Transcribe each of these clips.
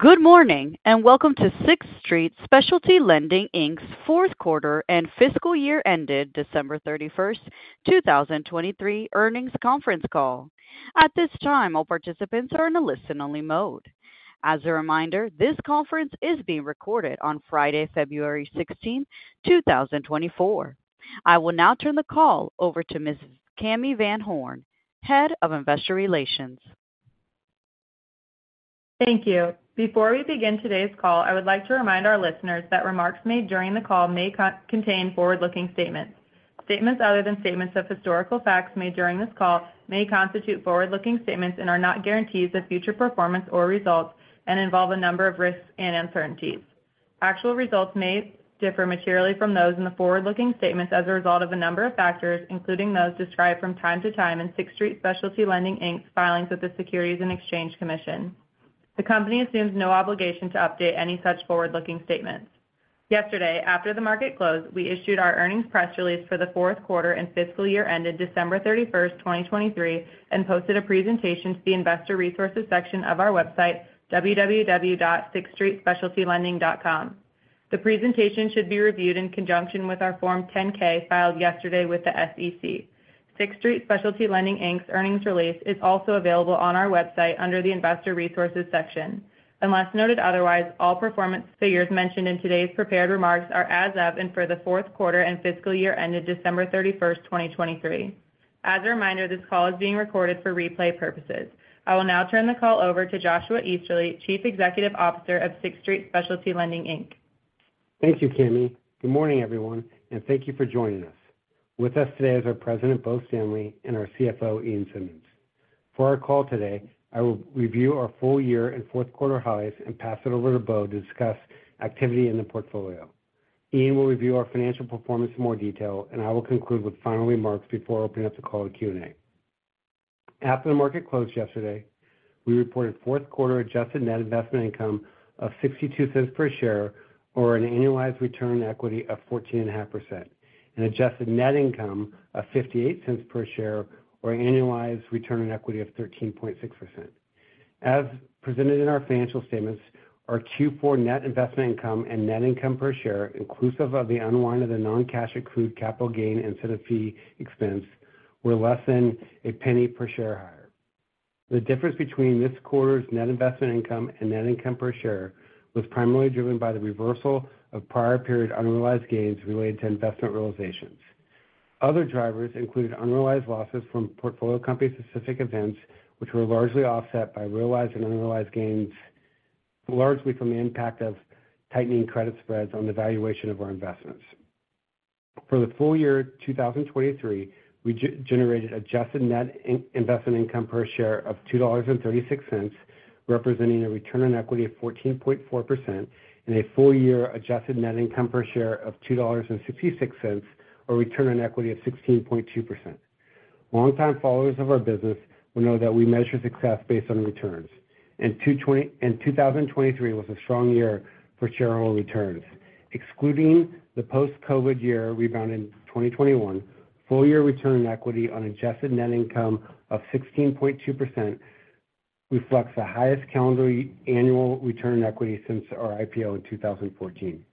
Good morning and welcome to Sixth Street Specialty Lending, Inc.'s fourth quarter and fiscal year ended December 31st, 2023, earnings conference call. At this time, all participants are in a listen-only mode. As a reminder, this conference is being recorded on Friday, February 16, 2024. I will now turn the call over to Ms. Cami VanHorn, Head of Investor Relations. Thank you. Before we begin today's call, I would like to remind our listeners that remarks made during the call may contain forward-looking statements. Statements other than statements of historical facts made during this call may constitute forward-looking statements and are not guarantees of future performance or results and involve a number of risks and uncertainties. Actual results may differ materially from those in the forward-looking statements as a result of a number of factors, including those described from time to time in Sixth Street Specialty Lending, Inc. filings with the Securities and Exchange Commission. The company assumes no obligation to update any such forward-looking statements. Yesterday, after the market closed, we issued our earnings press release for the fourth quarter and fiscal year-ended December 31st, 2023, and posted a presentation to the Investor Resources section of our website, www.sixthstreetspecialtylending.com. The presentation should be reviewed in conjunction with our Form 10-K filed yesterday with the SEC. Sixth Street Specialty Lending, Inc. earnings release is also available on our website under the Investor Resources section. Unless noted otherwise, all performance figures mentioned in today's prepared remarks are as of and for the fourth quarter and fiscal year-ended, December 31st, 2023. As a reminder, this call is being recorded for replay purposes. I will now turn the call over to Joshua Easterly, Chief Executive Officer of Sixth Street Specialty Lending, Inc. Thank you, Cami. Good morning, everyone, and thank you for joining us. With us today is our President, Bo Stanley, and our CFO, Ian Simmonds. For our call today, I will review our full year and fourth quarter highlights and pass it over to Bo to discuss activity in the portfolio. Ian will review our financial performance in more detail, and I will conclude with final remarks before opening up the call to Q&A. After the market closed yesterday, we reported fourth quarter adjusted net investment income of $0.62 per share, or an annualized return on equity of 14.5%, and adjusted net income of $0.58 per share, or an annualized return on equity of 13.6%. As presented in our financial statements, our Q4 net investment income and net income per share, inclusive of the unwind of the non-cash accrued capital gain incentive fee expense, were less than a penny per share higher. The difference between this quarter's net investment income and net income per share was primarily driven by the reversal of prior period unrealized gains related to investment realizations. Other drivers included unrealized losses from portfolio company-specific events, which were largely offset by realized and unrealized gains largely from the impact of tightening credit spreads on the valuation of our investments. For the full year 2023, we generated adjusted net investment income per share of $2.36, representing a return on equity of 14.4%, and a full year adjusted net income per share of $2.66, or return on equity of 16.2%. Longtime followers of our business will know that we measure success based on returns, and 2023 was a strong year for shareholder returns. Excluding the post-COVID year rebound in 2021, full year return on equity on adjusted net income of 16.2% reflects the highest calendar annual return on equity since our IPO in 2014.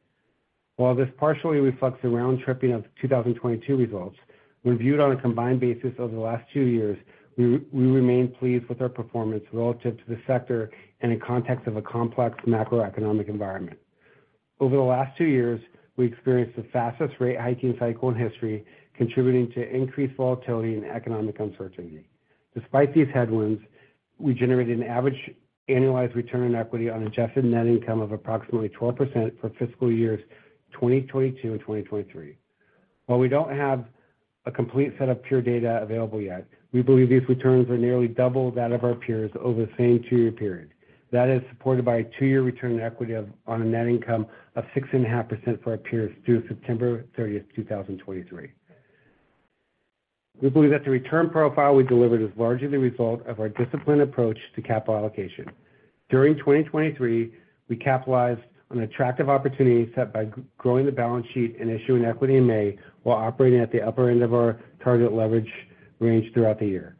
While this partially reflects the round-tripping of 2022 results, when viewed on a combined basis over the last two years, we remain pleased with our performance relative to the sector and in context of a complex macroeconomic environment. Over the last two years, we experienced the fastest rate hiking cycle in history, contributing to increased volatility and economic uncertainty. Despite these headwinds, we generated an average annualized return on equity on adjusted net income of approximately 12% for fiscal years 2022 and 2023. While we don't have a complete set of pure data available yet, we believe these returns are nearly double that of our peers over the same two-year period. That is supported by a two-year return on equity on a net income of 6.5% for our peers through September 30th, 2023. We believe that the return profile we delivered is largely the result of our disciplined approach to capital allocation. During 2023, we capitalized on attractive opportunities set by growing the balance sheet and issuing equity in May while operating at the upper end of our target leverage range throughout the year.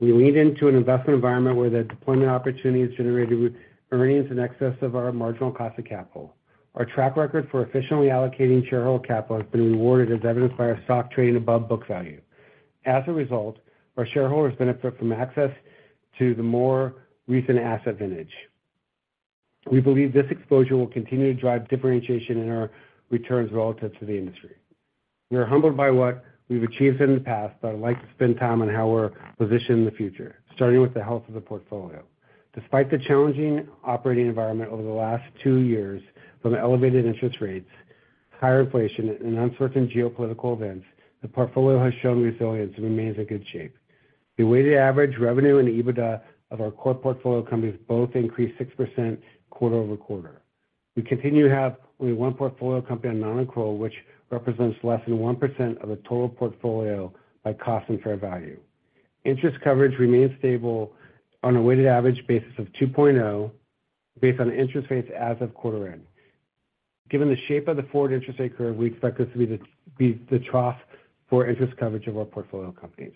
We leaned into an investment environment where the deployment opportunities generated earnings in excess of our marginal cost of capital. Our track record for efficiently allocating shareholder capital has been rewarded, as evidenced by our stock trading above book value. As a result, our shareholders benefit from access to the more recent asset vintage. We believe this exposure will continue to drive differentiation in our returns relative to the industry. We are humbled by what we've achieved in the past, but I'd like to spend time on how we're positioned in the future, starting with the health of the portfolio. Despite the challenging operating environment over the last two years from elevated interest rates, higher inflation, and uncertain geopolitical events, the portfolio has shown resilience and remains in good shape. The weighted average revenue and EBITDA of our core portfolio companies both increased 6% quarter-over-quarter. We continue to have only one portfolio company on non-accrual, which represents less than 1% of the total portfolio by cost and fair value. Interest coverage remains stable on a weighted average basis of 2.0 based on interest rates as of quarter end. Given the shape of the forward interest rate curve, we expect this to be the trough for interest coverage of our portfolio companies.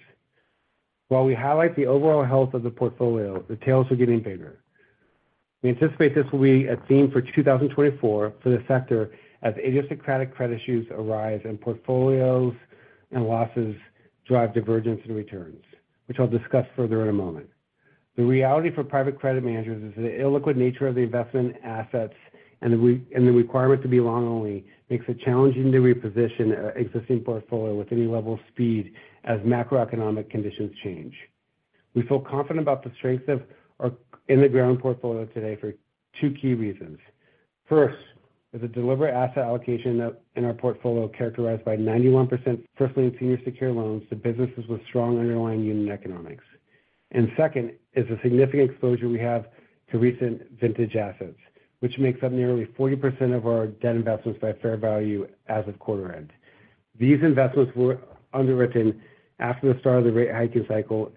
While we highlight the overall health of the portfolio, the tails are getting bigger. We anticipate this will be a theme for 2024 for the sector as idiosyncratic credit issues arise and portfolios and losses drive divergence in returns, which I'll discuss further in a moment. The reality for private credit managers is the illiquid nature of the investment assets and the requirement to be long-only makes it challenging to reposition an existing portfolio with any level of speed as macroeconomic conditions change. We feel confident about the strengths in the ground portfolio today for two key reasons. First, is a deliberate asset allocation in our portfolio characterized by 91% first-lien and senior secured loans to businesses with strong underlying unit economics. Second, is the significant exposure we have to recent vintage assets, which makes up nearly 40% of our debt investments by fair value as of quarter end. These investments were underwritten after the start of the rate hiking cycle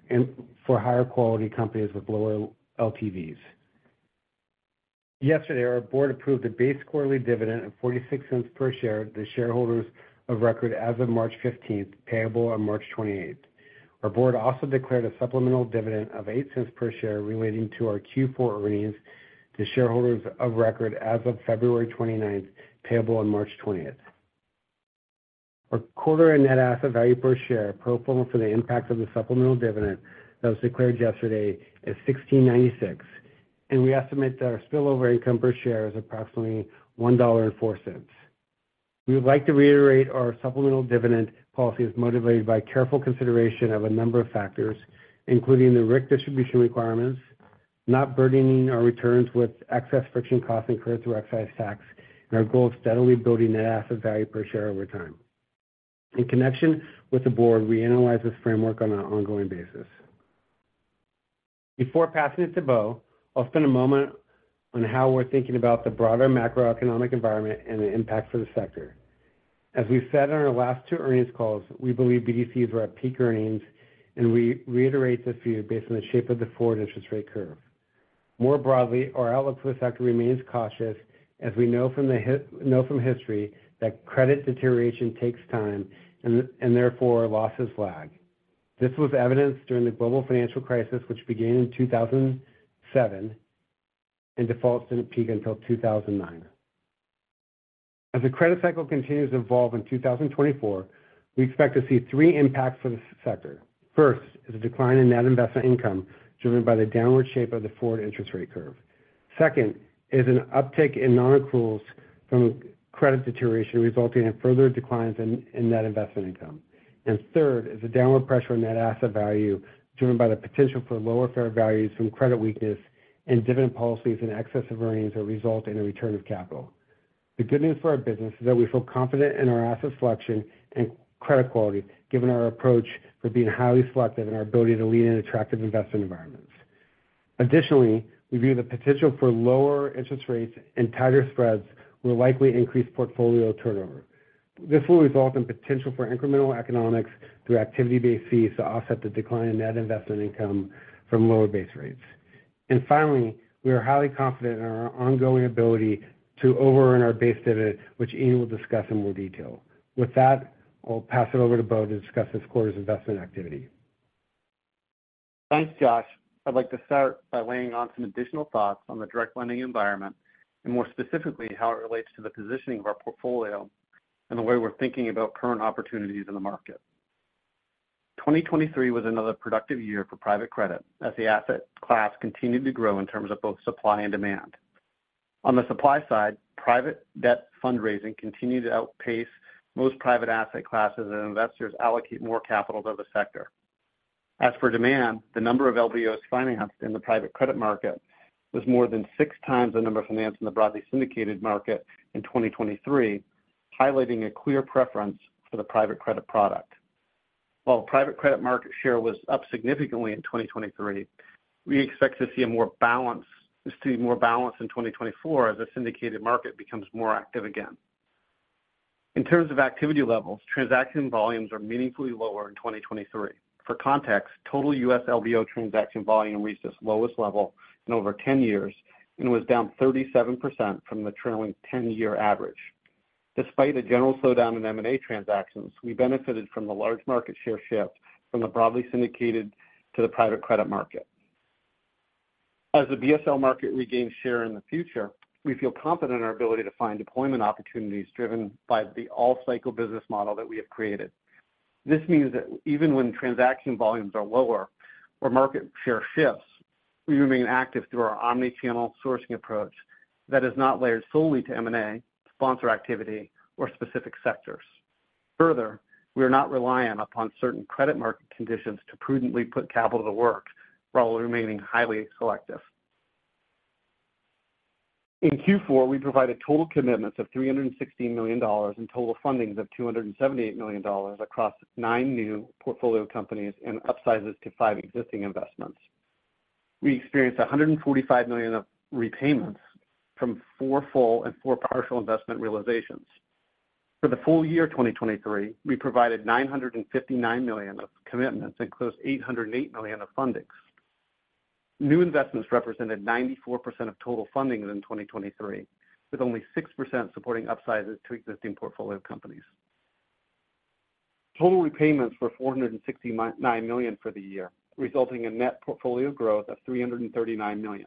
for higher quality companies with lower LTVs. Yesterday, our board approved a base quarterly dividend of $0.46 per share to the shareholders of record as of March 15, payable on March 28. Our board also declared a supplemental dividend of $0.08 per share relating to our Q4 earnings to shareholders of record as of February 29, payable on March 20th. Our quarterly net asset value per share, pro forma for the impact of the supplemental dividend that was declared yesterday, is $16.96, and we estimate that our spillover income per share is approximately $1.04. We would like to reiterate our supplemental dividend policy is motivated by careful consideration of a number of factors, including the RIC distribution requirements, not burdening our returns with excess friction costs incurred through excise tax, and our goal of steadily building net asset value per share over time. In connection with the board, we analyze this framework on an ongoing basis. Before passing it to Bo, I'll spend a moment on how we're thinking about the broader macroeconomic environment and the impact for the sector. As we've said on our last two earnings calls, we believe BDCs were at peak earnings, and we reiterate this view based on the shape of the forward interest rate curve. More broadly, our outlook for the sector remains cautious as we know from history that credit deterioration takes time and, therefore, losses lag. This was evidenced during the global financial crisis, which began in 2007, and defaults didn't peak until 2009. As the credit cycle continues to evolve in 2024, we expect to see three impacts for the sector. First is a decline in net investment income driven by the downward shape of the forward interest rate curve. Second is an uptick in non-accruals from credit deterioration resulting in further declines in net investment income. Third is a downward pressure on net asset value driven by the potential for lower fair values from credit weakness and dividend policies and excessive earnings that result in a return of capital. The good news for our business is that we feel confident in our asset selection and credit quality given our approach for being highly selective and our ability to lean in attractive investment environments. Additionally, we view the potential for lower interest rates and tighter spreads will likely increase portfolio turnover. This will result in potential for incremental economics through activity-based fees to offset the decline in net investment income from lower base rates. And finally, we are highly confident in our ongoing ability to over-earn our base dividend, which Ian will discuss in more detail. With that, I'll pass it over to Bo to discuss this quarter's investment activity. Thanks, Josh. I'd like to start by laying on some additional thoughts on the direct lending environment and, more specifically, how it relates to the positioning of our portfolio and the way we're thinking about current opportunities in the market. 2023 was another productive year for private credit as the asset class continued to grow in terms of both supply and demand. On the supply side, private debt fundraising continued to outpace most private asset classes as investors allocate more capital to the sector. As for demand, the number of LBOs financed in the private credit market was more than six times the number financed in the broadly syndicated market in 2023, highlighting a clear preference for the private credit product. While the private credit market share was up significantly in 2023, we expect to see more balance in 2024 as the syndicated market becomes more active again. In terms of activity levels, transaction volumes are meaningfully lower in 2023. For context, total U.S. LBO transaction volume reached its lowest level in over 10 years and was down 37% from the trailing 10-year average. Despite a general slowdown in M&A transactions, we benefited from the large market share shift from the broadly syndicated to the private credit market. As the BSL market regains share in the future, we feel confident in our ability to find deployment opportunities driven by the all-cycle business model that we have created. This means that even when transaction volumes are lower or market share shifts, we remain active through our omnichannel sourcing approach that is not layered solely to M&A, sponsor activity, or specific sectors. Further, we are not reliant upon certain credit market conditions to prudently put capital to work while remaining highly selective. In Q4, we provided total commitments of $316 million and total fundings of $278 million across nine new portfolio companies and upsizes to five existing investments. We experienced $145 million of repayments from four full and four partial investment realizations. For the full year 2023, we provided $959 million of commitments and $808 million of fundings. New investments represented 94% of total fundings in 2023, with only 6% supporting upsizes to existing portfolio companies. Total repayments were $469 million for the year, resulting in net portfolio growth of $339 million.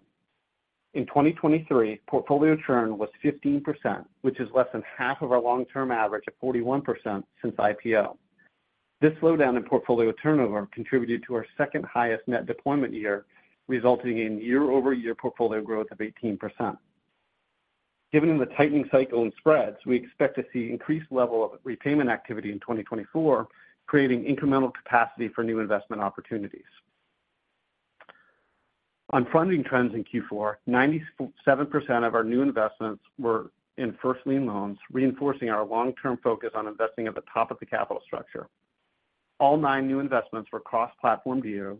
In 2023, portfolio churn was 15%, which is less than half of our long-term average of 41% since IPO. This slowdown in portfolio turnover contributed to our second-highest net deployment year, resulting in year-over-year portfolio growth of 18%. Given the tightening cycle and spreads, we expect to see increased level of repayment activity in 2024, creating incremental capacity for new investment opportunities. On funding trends in Q4, 97% of our new investments were in first-lien loans, reinforcing our long-term focus on investing at the top of the capital structure. All nine new investments were cross-platform DOs,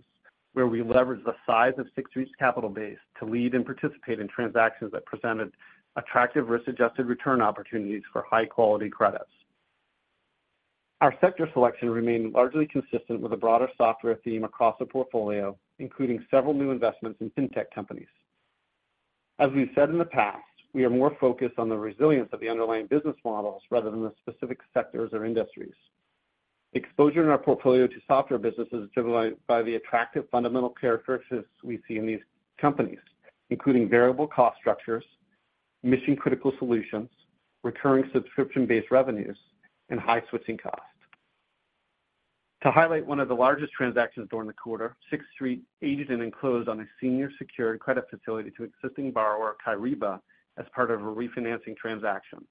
where we leveraged the size of Sixth Street's capital base to lead and participate in transactions that presented attractive risk-adjusted return opportunities for high-quality credits. Our sector selection remained largely consistent with a broader software theme across the portfolio, including several new investments in fintech companies. As we've said in the past, we are more focused on the resilience of the underlying business models rather than the specific sectors or industries. Exposure in our portfolio to software businesses is driven by the attractive fundamental characteristics we see in these companies, including variable cost structures, mission-critical solutions, recurring subscription-based revenues, and high switching costs. To highlight one of the largest transactions during the quarter, Sixth Street arranged and closed on a senior secured credit facility to existing borrower, Kyriba, as part of a refinancing transaction.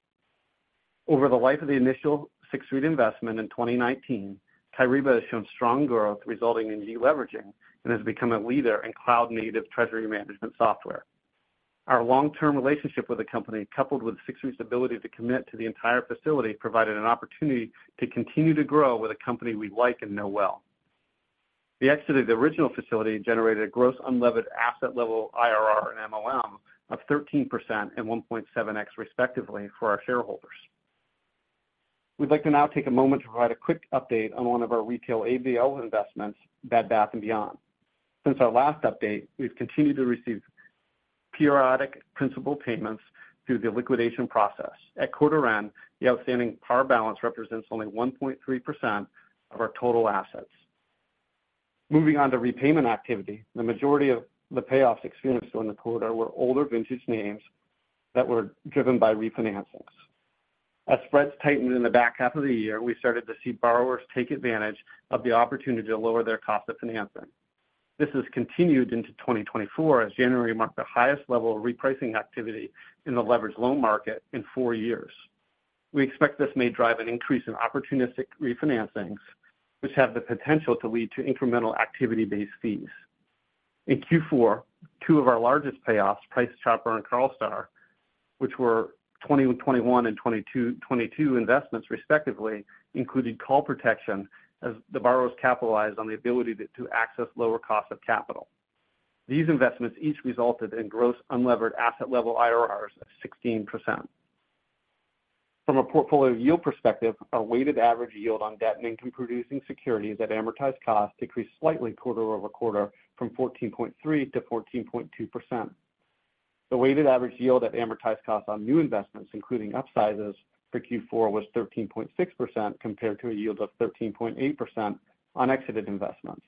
Over the life of the initial Sixth Street investment in 2019, Kyriba has shown strong growth resulting in de-leveraging and has become a leader in cloud-native treasury management software. Our long-term relationship with the company, coupled with Sixth Street's ability to commit to the entire facility, provided an opportunity to continue to grow with a company we like and know well. The exit of the original facility generated a gross unlevered asset-level IRR and MoM of 13% and 1.7x, respectively, for our shareholders. We'd like to now take a moment to provide a quick update on one of our retail ABL investments, Bed Bath & Beyond. Since our last update, we've continued to receive periodic principal payments through the liquidation process. At quarter end, the outstanding par balance represents only 1.3% of our total assets. Moving on to repayment activity, the majority of the payoffs experienced during the quarter were older vintage names that were driven by refinancings. As spreads tightened in the back half of the year, we started to see borrowers take advantage of the opportunity to lower their cost of financing. This has continued into 2024 as January marked the highest level of repricing activity in the leveraged loan market in four years. We expect this may drive an increase in opportunistic refinancings, which have the potential to lead to incremental activity-based fees. In Q4, two of our largest payoffs, Price Chopper and Carlstar, which were 2021 and 2022 investments, respectively, included call protection as the borrowers capitalized on the ability to access lower costs of capital. These investments each resulted in gross unlevered asset-level IRRs of 16%. From a portfolio yield perspective, our weighted average yield on debt and income-producing securities at amortized cost decreased slightly quarter-over-quarter from 14.3 to 14.2%. The weighted average yield at amortized cost on new investments, including upsizes, for Q4 was 13.6% compared to a yield of 13.8% on exited investments.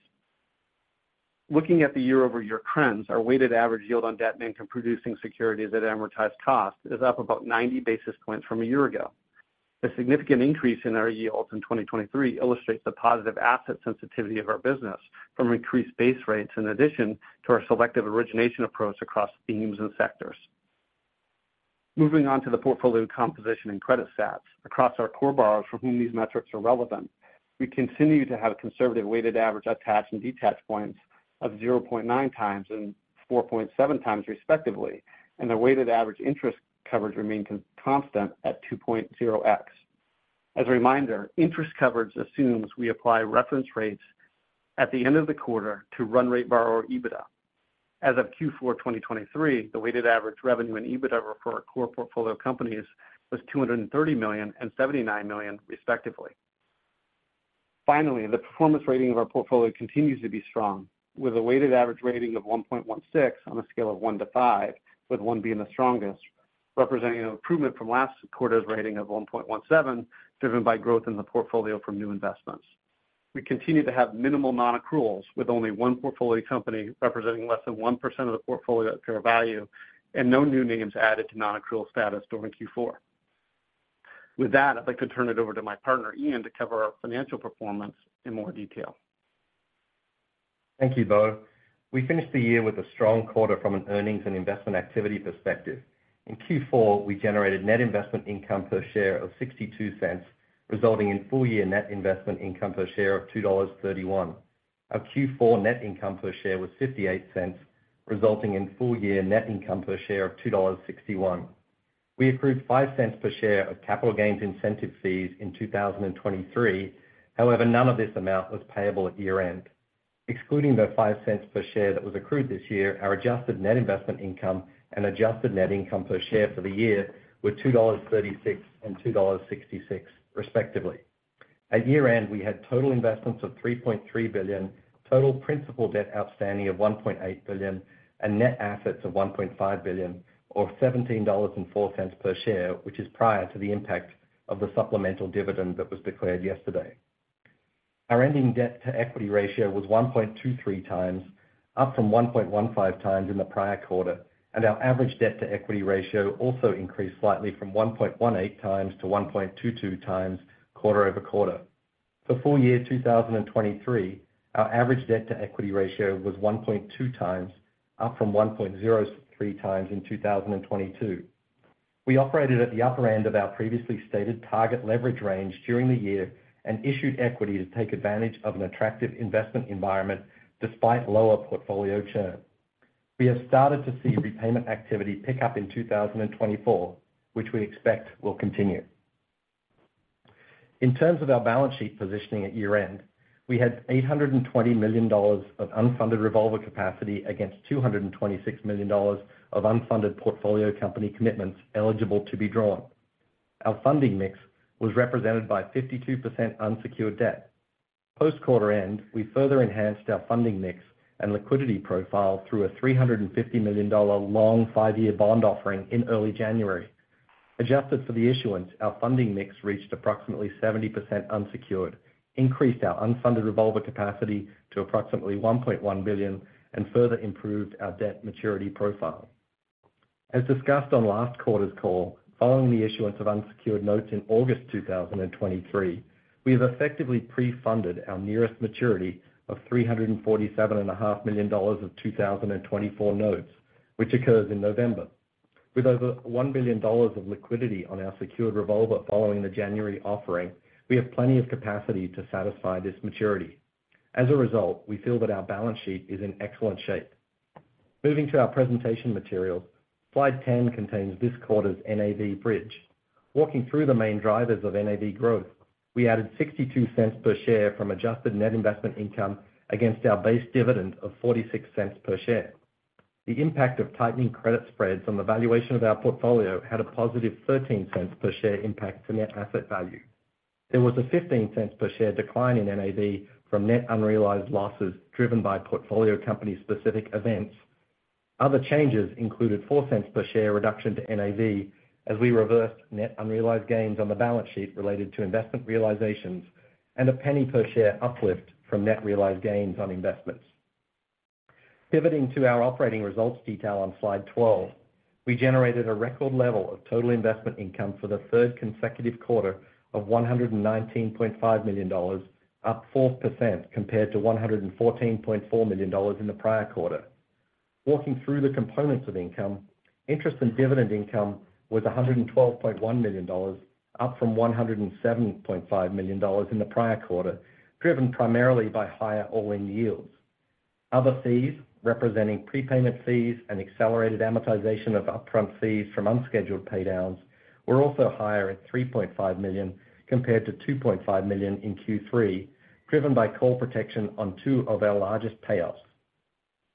Looking at the year-over-year trends, our weighted average yield on debt and income-producing securities at amortized cost is up about 90 basis points from a year ago. A significant increase in our yields in 2023 illustrates the positive asset sensitivity of our business from increased base rates in addition to our selective origination approach across themes and sectors. Moving on to the portfolio composition and credit stats, across our core borrowers for whom these metrics are relevant, we continue to have conservative weighted average attach and detach points of 0.9x and 4.7x, respectively, and the weighted average interest coverage remains constant at 2.0x. As a reminder, interest coverage assumes we apply reference rates at the end of the quarter to run-rate borrower EBITDA. As of Q4 2023, the weighted average revenue and EBITDA for our core portfolio companies was $230 million and $79 million, respectively. Finally, the performance rating of our portfolio continues to be strong, with a weighted average rating of 1.16 on a scale of one to five, with one being the strongest, representing an improvement from last quarter's rating of 1.17 driven by growth in the portfolio from new investments. We continue to have minimal non-accruals, with only one portfolio company representing less than 1% of the portfolio at fair value and no new names added to non-accrual status during Q4. With that, I'd like to turn it over to my partner, Ian, to cover our financial performance in more detail. Thank you, Bo. We finished the year with a strong quarter from an earnings and investment activity perspective. In Q4, we generated net investment income per share of $0.62, resulting in full-year net investment income per share of $2.31. Our Q4 net income per share was $0.58, resulting in full-year net income per share of $2.61. We accrued $0.05 per share of capital gains incentive fees in 2023. However, none of this amount was payable at year end. Excluding the $0.05 per share that was accrued this year, our adjusted net investment income and adjusted net income per share for the year were $2.36 and $2.66, respectively. At year end, we had total investments of $3.3 billion, total principal debt outstanding of $1.8 billion, and net assets of $1.5 billion, or $17.04 per share, which is prior to the impact of the supplemental dividend that was declared yesterday. Our ending debt-to-equity ratio was 1.23x, up from 1.15x in the prior quarter, and our average debt-to-equity ratio also increased slightly from 1.18x to 1.22x quarter-over-quarter. For full year 2023, our average debt-to-equity ratio was 1.2x, up from 1.03x in 2022. We operated at the upper end of our previously stated target leverage range during the year and issued equity to take advantage of an attractive investment environment despite lower portfolio churn. We have started to see repayment activity pick up in 2024, which we expect will continue. In terms of our balance sheet positioning at year end, we had $820 million of unfunded revolver capacity against $226 million of unfunded portfolio company commitments eligible to be drawn. Our funding mix was represented by 52% unsecured debt. Post-quarter end, we further enhanced our funding mix and liquidity profile through a $350 million long five-year bond offering in early January. Adjusted for the issuance, our funding mix reached approximately 70% unsecured, increased our unfunded revolver capacity to approximately $1.1 billion, and further improved our debt maturity profile. As discussed on last quarter's call, following the issuance of unsecured notes in August 2023, we have effectively pre-funded our nearest maturity of $347.5 million of 2024 notes, which occurs in November. With over $1 billion of liquidity on our secured revolver following the January offering, we have plenty of capacity to satisfy this maturity. As a result, we feel that our balance sheet is in excellent shape. Moving to our presentation materials, slide 10 contains this quarter's NAV bridge. Walking through the main drivers of NAV growth, we added $0.62 per share from adjusted net investment income against our base dividend of $0.46 per share. The impact of tightening credit spreads on the valuation of our portfolio had a positive $0.13 per share impact to net asset value. There was a $0.15 per share decline in NAV from net unrealized losses driven by portfolio company-specific events. Other changes included $0.04 per share reduction to NAV as we reversed net unrealized gains on the balance sheet related to investment realizations and a $0.01 per share uplift from net realized gains on investments. Pivoting to our operating results detail on slide 12, we generated a record level of total investment income for the third consecutive quarter of $119.5 million, up 4% compared to $114.4 million in the prior quarter. Walking through the components of income, interest and dividend income was $112.1 million, up from $107.5 million in the prior quarter, driven primarily by higher all-in yields. Other fees, representing prepayment fees and accelerated amortization of upfront fees from unscheduled paydowns, were also higher at $3.5 million compared to $2.5 million in Q3, driven by call protection on two of our largest payoffs.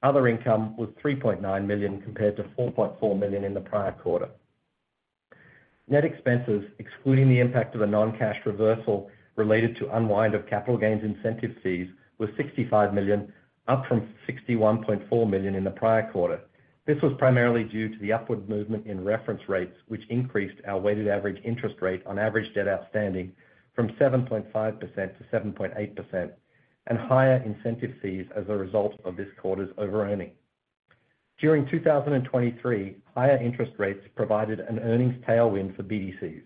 Other income was $3.9 million compared to $4.4 million in the prior quarter. Net expenses, excluding the impact of a non-cash reversal related to unwind of capital gains incentive fees, were $65 million, up from $61.4 million in the prior quarter. This was primarily due to the upward movement in reference rates, which increased our weighted average interest rate on average debt outstanding from 7.5%-7.8%, and higher incentive fees as a result of this quarter's over-earning. During 2023, higher interest rates provided an earnings tailwind for BDCs.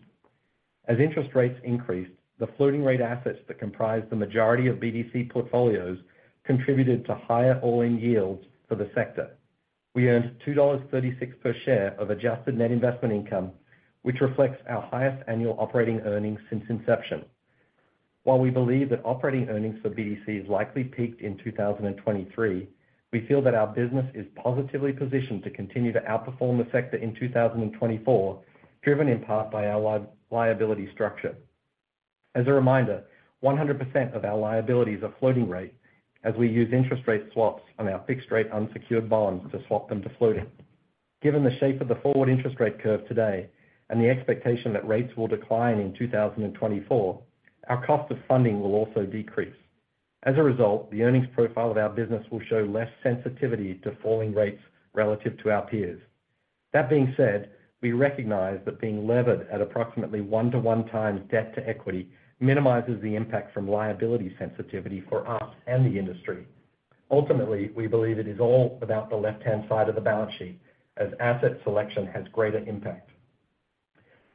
As interest rates increased, the floating-rate assets that comprise the majority of BDC portfolios contributed to higher all-in yields for the sector. We earned $2.36 per share of adjusted net investment income, which reflects our highest annual operating earnings since inception. While we believe that operating earnings for BDCs likely peaked in 2023, we feel that our business is positively positioned to continue to outperform the sector in 2024, driven in part by our liability structure. As a reminder, 100% of our liabilities are floating rate as we use interest rate swaps on our fixed-rate unsecured bonds to swap them to floating. Given the shape of the forward interest rate curve today and the expectation that rates will decline in 2024, our cost of funding will also decrease. As a result, the earnings profile of our business will show less sensitivity to falling rates relative to our peers. That being said, we recognize that being levered at approximately 1-to-1x debt-to-equity minimizes the impact from liability sensitivity for us and the industry. Ultimately, we believe it is all about the left-hand side of the balance sheet as asset selection has greater impact.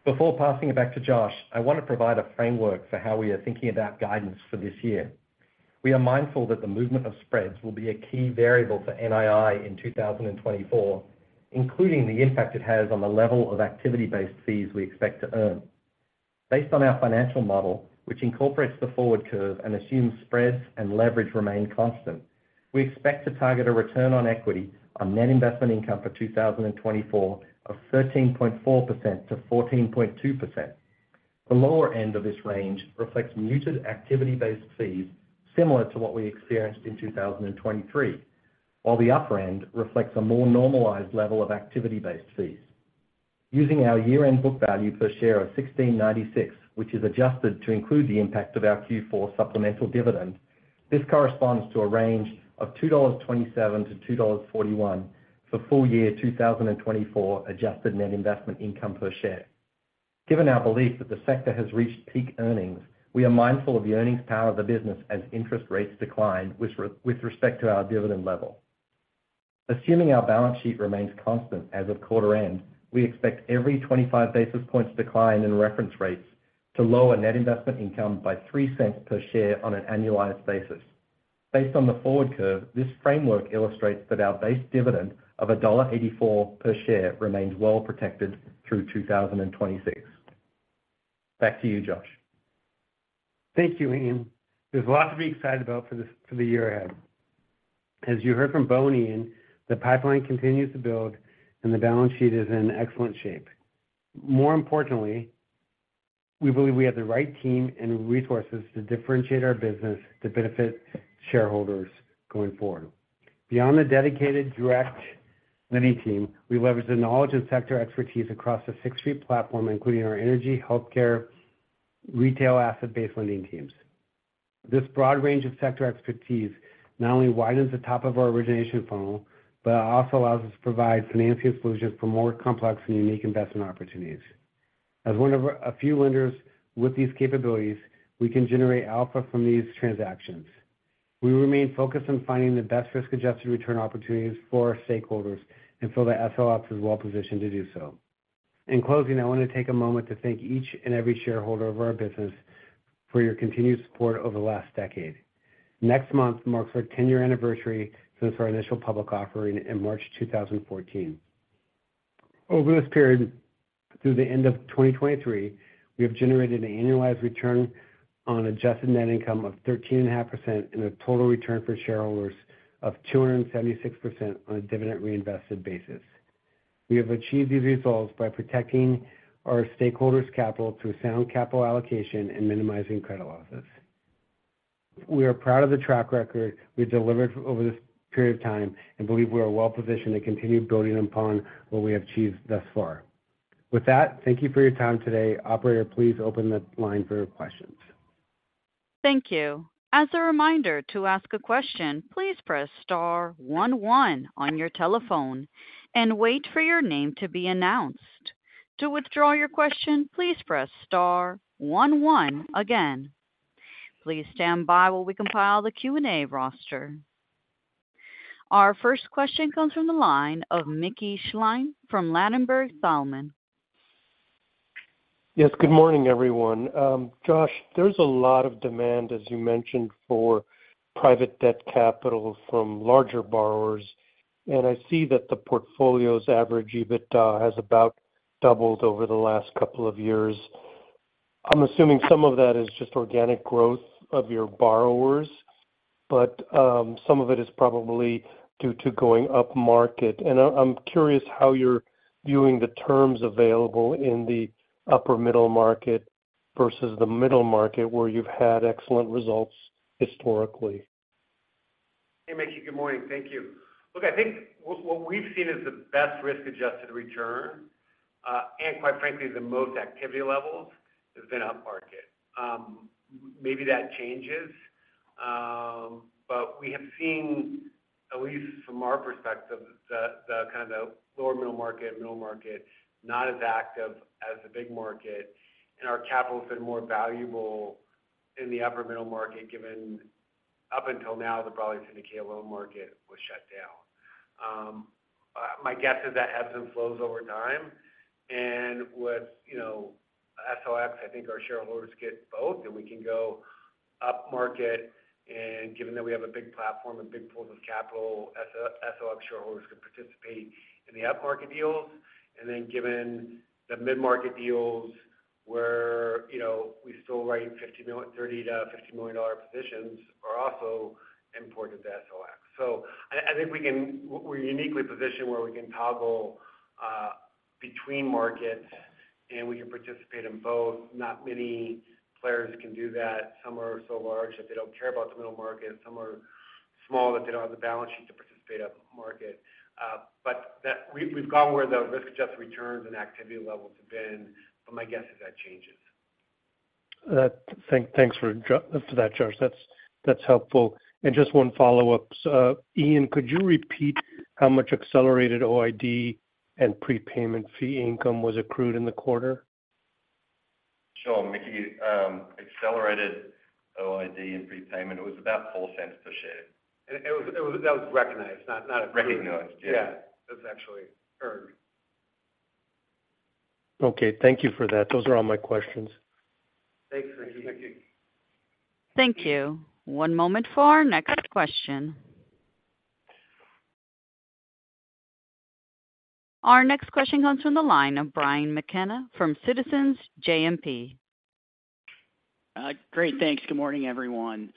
Before passing it back to Josh, I want to provide a framework for how we are thinking about guidance for this year. We are mindful that the movement of spreads will be a key variable for NII in 2024, including the impact it has on the level of activity-based fees we expect to earn. Based on our financial model, which incorporates the forward curve and assumes spreads and leverage remain constant, we expect to target a return on equity on net investment income for 2024 of 13.4%-14.2%. The lower end of this range reflects muted activity-based fees similar to what we experienced in 2023, while the upper end reflects a more normalized level of activity-based fees. Using our year-end book value per share of $16.96, which is adjusted to include the impact of our Q4 supplemental dividend, this corresponds to a range of $2.27-$2.41 for full year 2024 adjusted net investment income per share. Given our belief that the sector has reached peak earnings, we are mindful of the earnings power of the business as interest rates decline with respect to our dividend level. Assuming our balance sheet remains constant as of quarter end, we expect every 25 basis points decline in reference rates to lower net investment income by $0.03 per share on an annualized basis. Based on the forward curve, this framework illustrates that our base dividend of $1.84 per share remains well protected through 2026. Back to you, Josh. Thank you, Ian. There's a lot to be excited about for the year ahead. As you heard from Bo, Ian, the pipeline continues to build, and the balance sheet is in excellent shape. More importantly, we believe we have the right team and resources to differentiate our business to benefit shareholders going forward. Beyond the dedicated direct lending team, we leverage the knowledge and sector expertise across the Sixth Street platform, including our energy, healthcare, retail asset-based lending teams. This broad range of sector expertise not only widens the top of our origination funnel but also allows us to provide financing solutions for more complex and unique investment opportunities. As one of a few lenders with these capabilities, we can generate alpha from these transactions. We remain focused on finding the best risk-adjusted return opportunities for our stakeholders and feel that SSLP's is well positioned to do so. In closing, I want to take a moment to thank each and every shareholder of our business for your continued support over the last decade. Next month marks our 10-year anniversary since our initial public offering in March 2014. Over this period, through the end of 2023, we have generated an annualized return on adjusted net income of 13.5% and a total return for shareholders of 276% on a dividend reinvested basis. We have achieved these results by protecting our stakeholders' capital through sound capital allocation and minimizing credit losses. We are proud of the track record we've delivered over this period of time and believe we are well positioned to continue building upon what we have achieved thus far. With that, thank you for your time today. Operator, please open the line for questions. Thank you. As a reminder, to ask a question, please press star one one on your telephone and wait for your name to be announced. To withdraw your question, please press star one one again. Please stand by while we compile the Q&A roster. Our first question comes from the line of Mickey Schleien from Ladenburg Thalmann. Yes. Good morning, everyone. Josh, there's a lot of demand, as you mentioned, for private debt capital from larger borrowers, and I see that the portfolio's average EBITDA has about doubled over the last couple of years. I'm assuming some of that is just organic growth of your borrowers, but some of it is probably due to going up market. I'm curious how you're viewing the terms available in the upper-middle market versus the middle market where you've had excellent results historically. Hey, Mickey. Good morning. Thank you. Look, I think what we've seen is the best risk-adjusted return and, quite frankly, the most activity levels has been up market. Maybe that changes, but we have seen, at least from our perspective, the kind of lower-middle market and middle market not as active as the big market, and our capital has been more valuable in the upper-middle market given up until now, the broadly syndicated loan market was shut down. My guess is that ebbs and flows over time. And with SSLPs, I think our shareholders get both, and we can go up market. And given that we have a big platform and big pools of capital, SSLPs shareholders could participate in the up market deals. And then given the mid-market deals where we still write $30-$50 million positions are also important to SSLPs. So I think we're uniquely positioned where we can toggle between markets, and we can participate in both. Not many players can do that. Some are so large that they don't care about the middle market. Some are small that they don't have the balance sheet to participate up market. But we've gone where the risk-adjusted returns and activity levels have been, but my guess is that changes. Thanks for that, Josh. That's helpful. Just one follow-up. Ian, could you repeat how much accelerated OID and prepayment fee income was accrued in the quarter? Sure, Mickey. Accelerated OID and prepayment, it was about $0.04 per share. That was recognized, not accrued. Recognized, yeah. Yeah. It was actually earned. Okay. Thank you for that. Those are all my questions. Thanks, Mickey. Thank you. One moment for our next question. Our next question comes from the line of Brian McKenna from Citizens JMP. Great. Thanks. Good morning, everyone.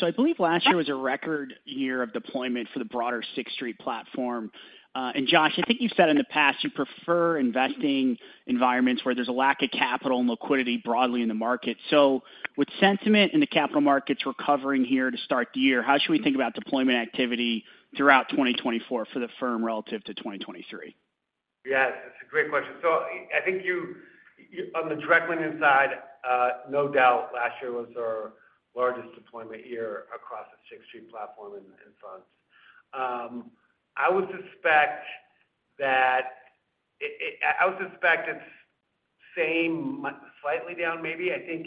So I believe last year was a record year of deployment for the broader Sixth Street platform. And Josh, I think you've said in the past you prefer investing in environments where there's a lack of capital and liquidity broadly in the market. So with sentiment in the capital markets recovering here to start the year, how should we think about deployment activity throughout 2024 for the firm relative to 2023? Yeah. That's a great question. So I think on the direct lending side, no doubt last year was our largest deployment year across the Sixth Street platform and funds. I would suspect it's slightly down maybe. I think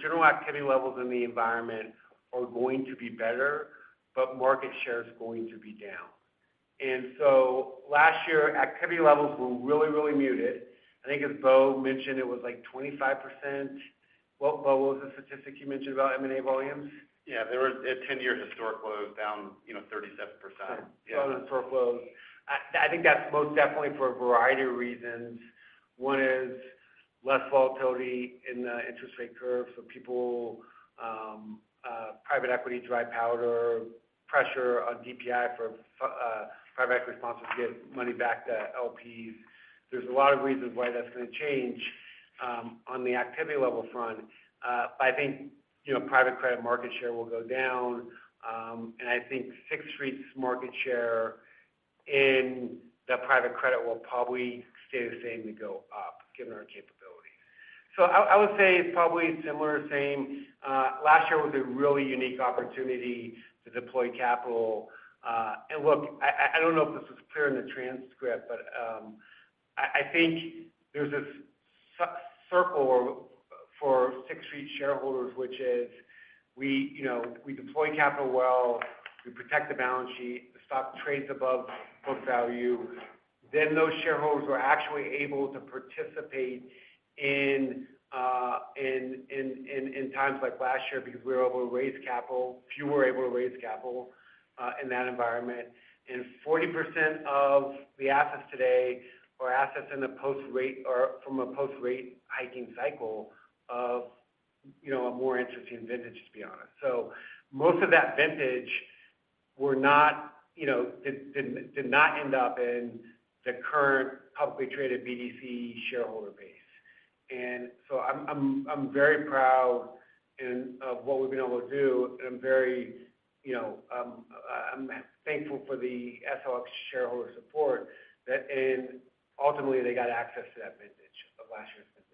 general activity levels in the environment are going to be better, but market share is going to be down. And so last year, activity levels were really, really muted. I think, as Bo mentioned, it was like 25%. What was the statistic you mentioned about M&A volumes? Yeah. The 10-year historic low is down 37%. Down historic lows. I think that's most definitely for a variety of reasons. One is less volatility in the interest rate curve, so private equity dry powder, pressure on DPI for private equity sponsors to get money back to LPs. There's a lot of reasons why that's going to change on the activity level front. But I think private credit market share will go down, and I think Sixth Street's market share in the private credit will probably stay the same to go up given our capabilities. So I would say it's probably similar, same. Last year was a really unique opportunity to deploy capital. And look, I don't know if this was clear in the transcript, but I think there's this circle for Sixth Street shareholders, which is we deploy capital well, we protect the balance sheet, the stock trades above book value. Then those shareholders were actually able to participate in times like last year because we were able to raise capital, few were able to raise capital in that environment. And 40% of the assets today are assets in a post-rate or from a post-rate hiking cycle of a more interesting vintage, to be honest. So most of that vintage did not end up in the current publicly traded BDC shareholder base. And so I'm very proud of what we've been able to do, and I'm very thankful for the SSLP's shareholder support that, and ultimately, they got access to that vintage of last year's vintage.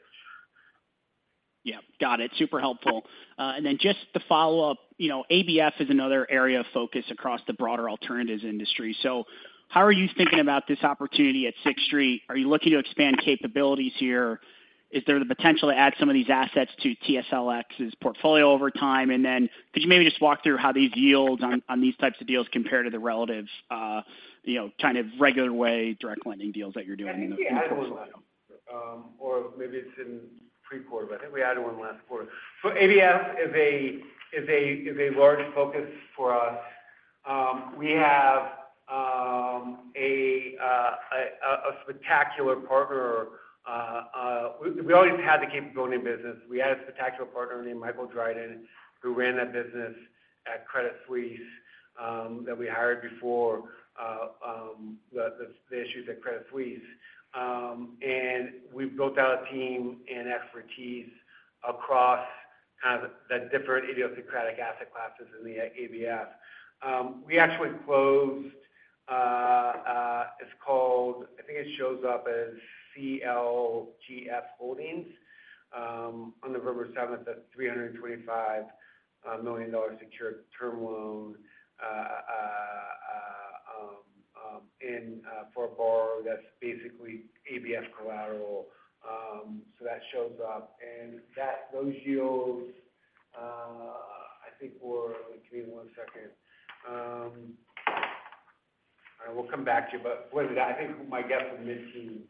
Yeah. Got it. Super helpful. And then just to follow up, ABF is another area of focus across the broader alternatives industry. So how are you thinking about this opportunity at Sixth Street? Are you looking to expand capabilities here? Is there the potential to add some of these assets to TSLX's portfolio over time? And then could you maybe just walk through how these yields on these types of deals compare to the relative kind of regular way direct lending deals that you're doing in the Q4? I think we added one. Or maybe it's in pre-quarter. But I think we added one last quarter. So ABF is a large focus for us. We have a spectacular partner. We always had the capability in business. We had a spectacular partner named Michael Dryden who ran that business at Credit Suisse that we hired before the issues at Credit Suisse. And we've built out a team and expertise across kind of the different idiosyncratic asset classes in the ABF. We actually closed. It's called, I think it shows up as CLGF Holdings, on November 7th at $325 million secured term loan for a borrower that's basically ABF collateral. So that shows up. And those yields, I think were, give me one second. All right. We'll come back to you. But I think my guess was mid-teens. And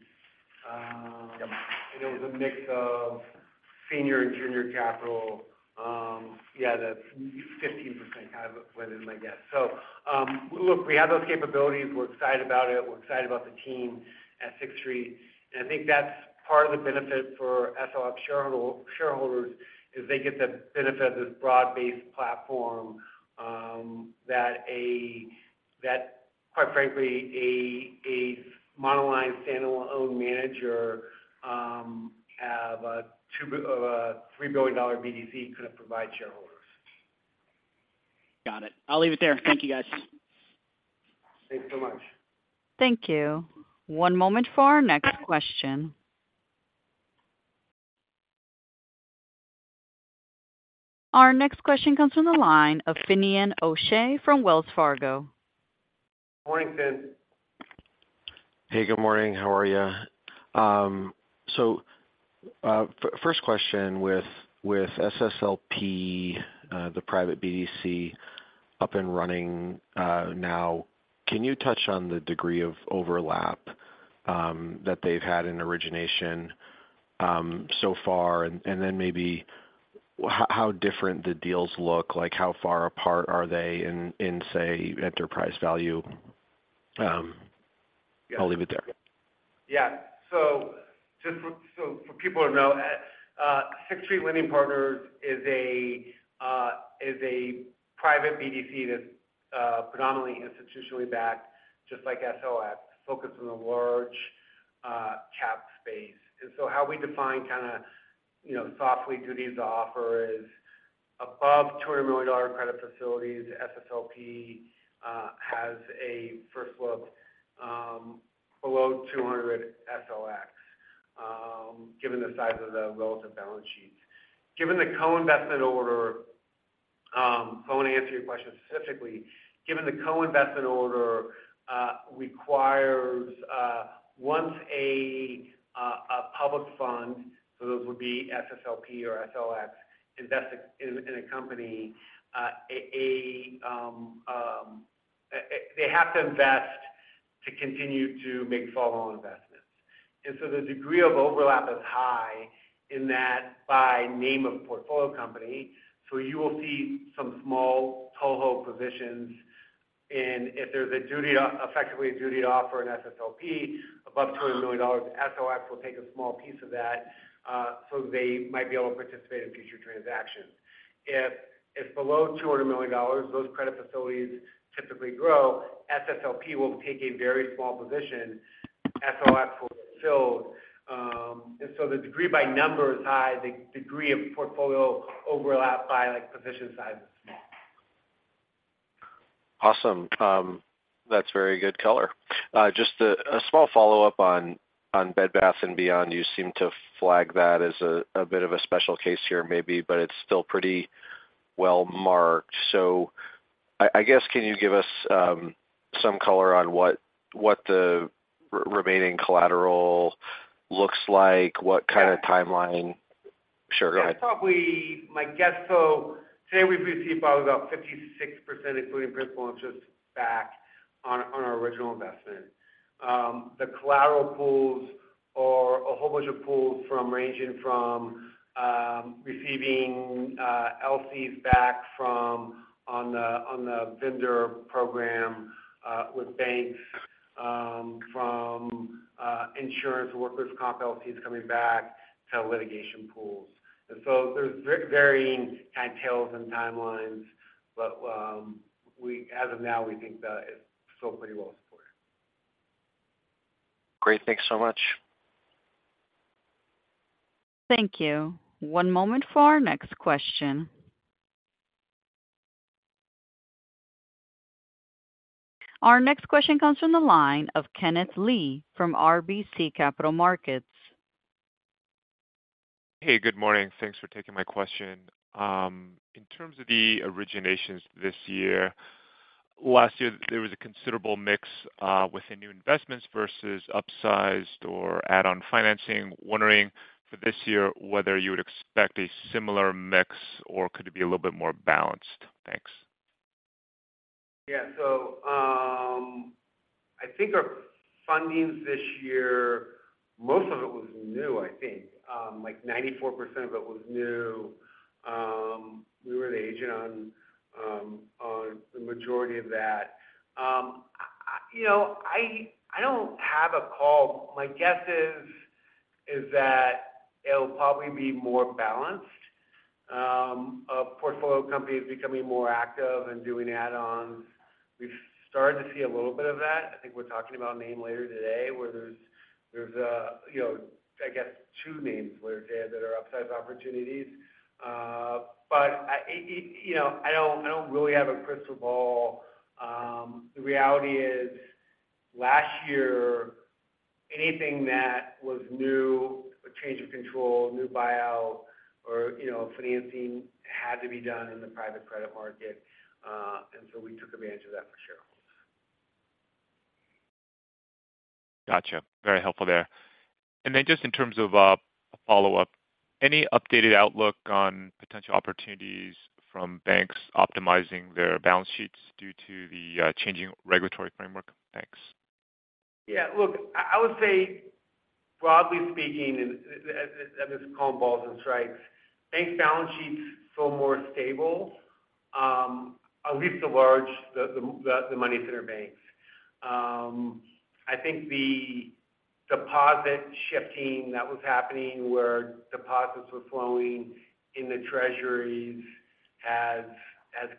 it was a mix of senior and junior capital. Yeah. That's 15% kind of went in my guess. So look, we have those capabilities. We're excited about it. We're excited about the team at Sixth Street. And I think that's part of the benefit for SSLPs shareholders is they get the benefit of this broad-based platform that, quite frankly, a monoline standalone manager of a $3 billion BDC couldn't provide shareholders. Got it. I'll leave it there. Thank you, guys. Thanks so much. Thank you. One moment for our next question. Our next question comes from the line of Finian O'Shea from Wells Fargo. Morning, Fin. Hey. Good morning. How are you? So first question, with SSLP, the private BDC up and running now, can you touch on the degree of overlap that they've had in origination so far? And then maybe how different the deals look, how far apart are they in, say, enterprise value? I'll leave it there. Yeah. So for people to know, Sixth Street Lending Partners is a private BDC that's predominantly institutionally backed, just like TSLX, focused on the large cap space. And so how we define kind of sort of deal size to offer is above $200 million credit facilities. SSLP has a first look below $200 million, TSLX given the size of the relative balance sheets. Given the co-investment order, so I want to answer your question specifically. Given the co-investment order requires once a public fund—so those would be SSLP or TSLX—invest in a company, they have to invest to continue to make follow-on investments. And so the degree of overlap is high in that, by name of portfolio company. So you will see some small toe-hold positions. If there's effectively a duty to offer in SSLP above $200 million, SLOPs will take a small piece of that so they might be able to participate in future transactions. If it's below $200 million, those credit facilities typically grow. SSLP will take a very small position. SLOPs will get filled. And so the degree by number is high. The degree of portfolio overlap by position size is small. Awesome. That's very good color. Just a small follow-up on Bed Bath & Beyond. You seem to flag that as a bit of a special case here maybe, but it's still pretty well-marked. So I guess can you give us some color on what the remaining collateral looks like, what kind of timeline? Sure. Go ahead. Yeah. My guess so today, we've received probably about 56% including principal interest back on our original investment. The collateral pools are a whole bunch of pools ranging from receiving LCs back on the vendor program with banks, from insurance workers' comp LCs coming back to litigation pools. And so there's varying kind of tails and timelines. But as of now, we think that it's still pretty well-supported. Great. Thanks so much. Thank you. One moment for our next question. Our next question comes from the line of Kenneth Lee from RBC Capital Markets. Hey. Good morning. Thanks for taking my question. In terms of the originations this year, last year, there was a considerable mix within new investments versus upsized or add-on financing. Wondering for this year whether you would expect a similar mix or could it be a little bit more balanced? Thanks. Yeah. So I think our fundings this year, most of it was new, I think. 94% of it was new. We were the agent on the majority of that. I don't have a call. My guess is that it'll probably be more balanced. Portfolio companies becoming more active and doing add-ons. We've started to see a little bit of that. I think we're talking about a name later today where there's a I guess two names later today that are upsized opportunities. But I don't really have a crystal ball. The reality is last year, anything that was new, a change of control, new buyout, or financing had to be done in the private credit market. And so we took advantage of that for shareholders. Gotcha. Very helpful there. Then just in terms of a follow-up, any updated outlook on potential opportunities from banks optimizing their balance sheets due to the changing regulatory framework? Thanks. Yeah. Look, I would say broadly speaking and I'm just calling balls and strikes. Banks' balance sheets feel more stable, at least the money-center banks. I think the deposit shifting that was happening where deposits were flowing in the treasuries has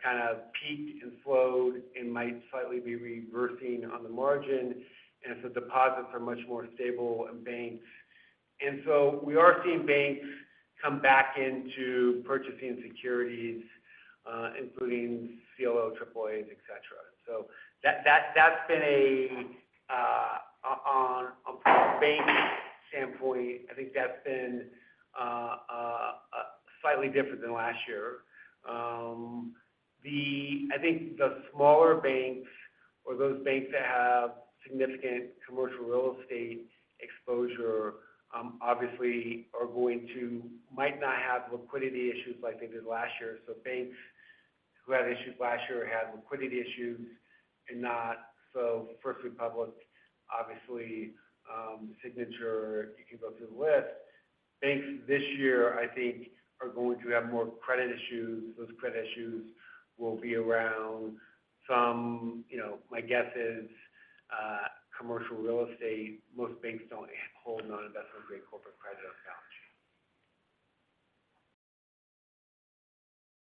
kind of peaked and slowed and might slightly be reversing on the margin. And so deposits are much more stable in banks. And so we are seeing banks come back into purchasing securities, including CLOs, AAAs, etc. So that's been, from a bank standpoint, I think that's been slightly different than last year. I think the smaller banks or those banks that have significant commercial real estate exposure obviously might not have liquidity issues like they did last year. So banks who had issues last year had liquidity issues and not so First Republic, obviously, Signature, you can go through the list. Banks this year, I think, are going to have more credit issues. Those credit issues will be around some, my guess is, commercial real estate. Most banks don't hold non-investment-grade corporate credit on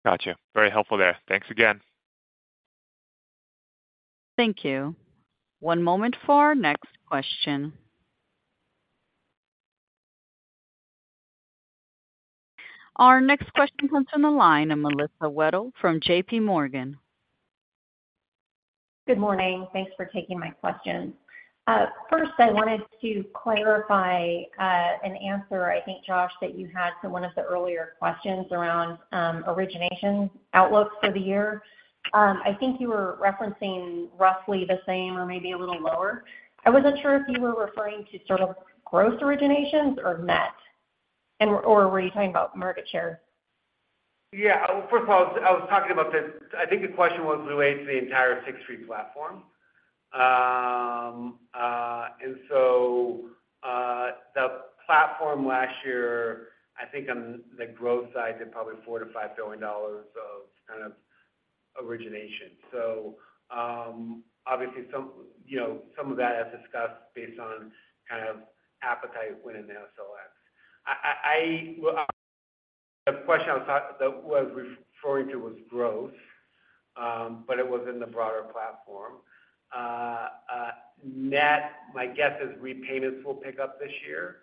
balance sheets. Gotcha. Very helpful there. Thanks again. Thank you. One moment for our next question. Our next question comes from the line of Melissa Wedel from JPMorgan. Good morning. Thanks for taking my question. First, I wanted to clarify an answer, I think, Josh, that you had to one of the earlier questions around origination outlooks for the year. I think you were referencing roughly the same or maybe a little lower. I wasn't sure if you were referring to sort of gross originations or net, or were you talking about market share? Yeah. First of all, I was talking about this, I think the question was related to the entire Sixth Street platform. And so the platform last year, I think on the growth side, did probably $4 billon-$5 billion of kind of origination. So obviously, some of that, as discussed, based on kind of appetite went in the SLOPs. The question I was referring to was growth, but it was in the broader platform. Net, my guess is repayments will pick up this year.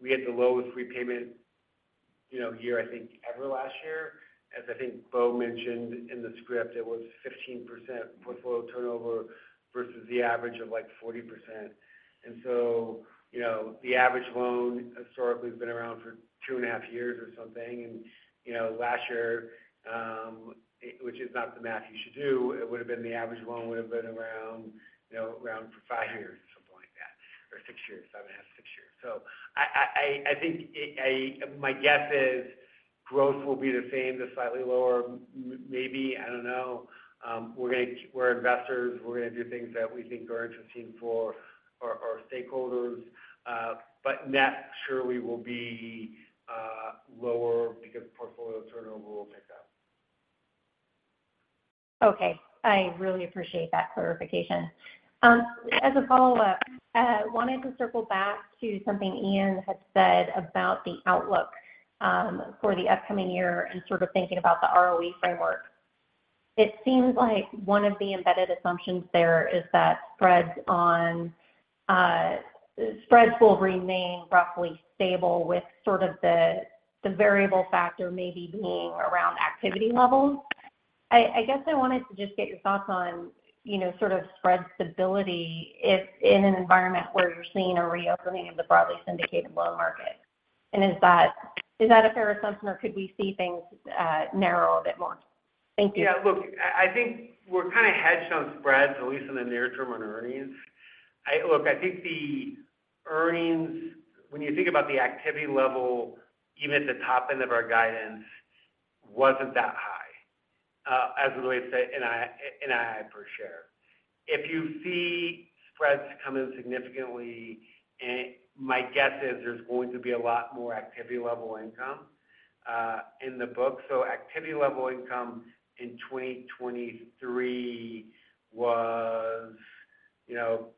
We had the lowest repayment year, I think, ever last year. As I think Bo mentioned in the script, it was 15% portfolio turnover versus the average of 40%. And so the average loan historically has been around for two and a half years or something. And last year, which is not the math you should do, it would have been the average loan around for five years or something like that or six years, five and half, six years. So I think my guess is growth will be the same, slightly lower maybe. I don't know. We're investors. We're going to do things that we think are interesting for our stakeholders. But net, surely will be lower because portfolio turnover will pick up. Okay. I really appreciate that clarification. As a follow-up, I wanted to circle back to something Ian had said about the outlook for the upcoming year and sort of thinking about the ROE framework. It seems like one of the embedded assumptions there is that spreads will remain roughly stable with sort of the variable factor maybe being around activity levels. I guess I wanted to just get your thoughts on sort of spread stability in an environment where you're seeing a reopening of the broadly syndicated loan market. And is that a fair assumption, or could we see things narrow a bit more? Thank you. Yeah. Look, I think we're kind of hedged on spreads, at least in the near term on earnings. Look, I think the earnings when you think about the activity level, even at the top end of our guidance, wasn't that high as related to NII per share. If you see spreads come in significantly, my guess is there's going to be a lot more activity-level income in the book. So activity-level income in 2023 was,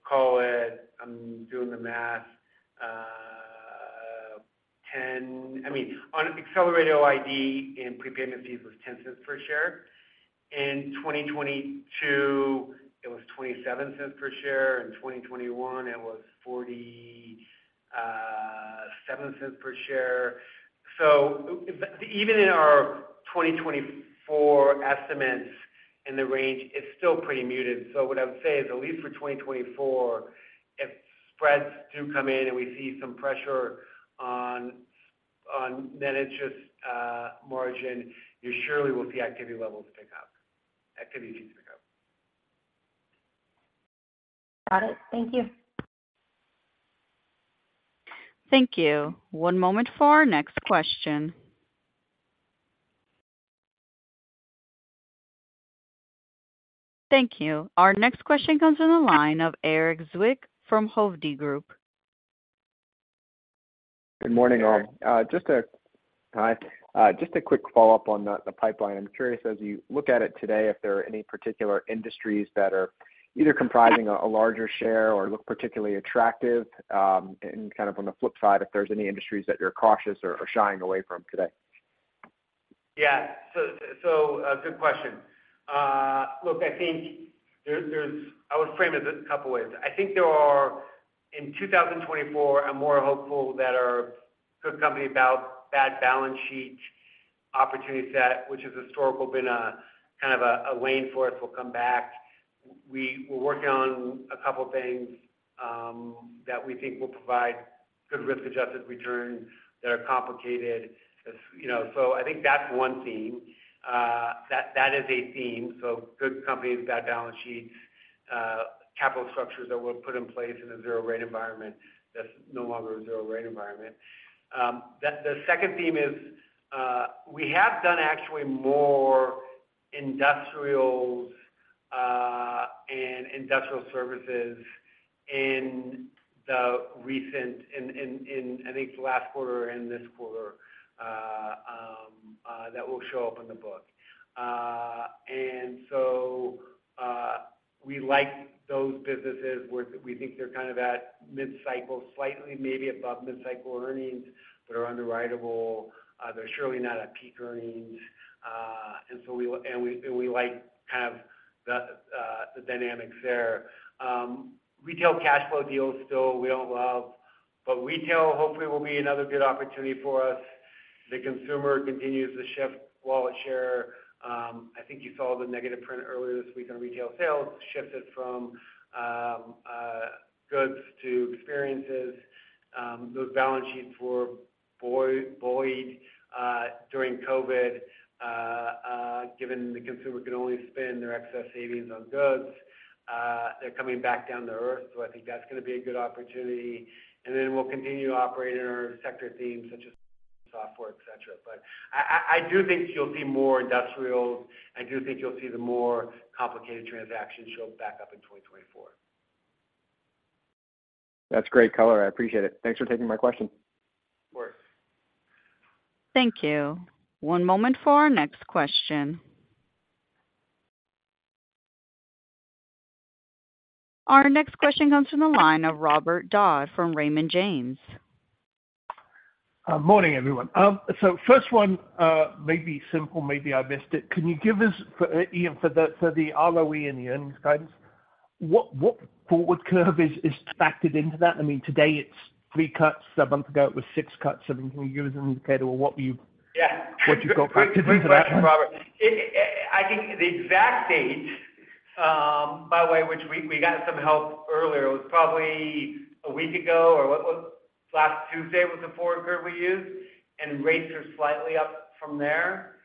call it I'm doing the math, $0.10 I mean, on accelerated OID and prepayment fees, it was $0.10 per share. In 2022, it was $0.27 per share. In 2021, it was $0.47 per share. So even in our 2024 estimates in the range, it's still pretty muted. What I would say is at least for 2024, if spreads do come in and we see some pressure on net interest margin, you surely will see activity levels pick up, activity fees pick up. Got it. Thank you. Thank you. One moment for our next question. Thank you. Our next question comes from the line of Erik Zwick from Hovde Group. Good morning, all. Hi. Just a quick follow-up on the pipeline. I'm curious, as you look at it today, if there are any particular industries that are either comprising a larger share or look particularly attractive. And kind of on the flip side, if there's any industries that you're cautious or shying away from today? Yeah. So good question. Look, I think there's I would frame it a couple of ways. I think there are in 2024, I'm more hopeful that our good company, bad balance sheet opportunity set, which has historically been kind of a lane for us, will come back. We're working on a couple of things that we think will provide good risk-adjusted returns that are complicated. So I think that's one theme. That is a theme. So good companies, bad balance sheets, capital structures that were put in place in a zero-rate environment that's no longer a zero-rate environment. The second theme is we have done actually more industrials and industrial services in the recent I think last quarter and this quarter that will show up in the book. And so we like those businesses where we think they're kind of at mid-cycle, slightly maybe above mid-cycle earnings but are underwritable. They're surely not at peak earnings. We like kind of the dynamics there. Retail cash flow deals, still, we don't love. Retail, hopefully, will be another good opportunity for us. The consumer continues to shift wallet share. I think you saw the negative print earlier this week on retail sales. Shifted from goods to experiences. Those balance sheets were buoyed during COVID given the consumer could only spend their excess savings on goods. They're coming back down to earth. I think that's going to be a good opportunity. Then we'll continue to operate in our sector themes such as software, etc. I do think you'll see more industrials. I do think you'll see the more complicated transactions show back up in 2024. That's great color. I appreciate it. Thanks for taking my question. Of course. Thank you. One moment for our next question. Our next question comes from the line of Robert Dodd from Raymond James. Morning, everyone. So first one, maybe simple, maybe I missed it. Can you give us Ian, for the ROE and the earnings guidance, what forward curve is factored into that? I mean, today, it's three cuts. A month ago, it was six cuts. I mean, can you give us an indicator of what you've got factored into that? Yeah. Good question, Robert. I think the exact date, by the way, which we got some help earlier, it was probably a week ago or last Tuesday was the forward curve we used. And rates are slightly up from there.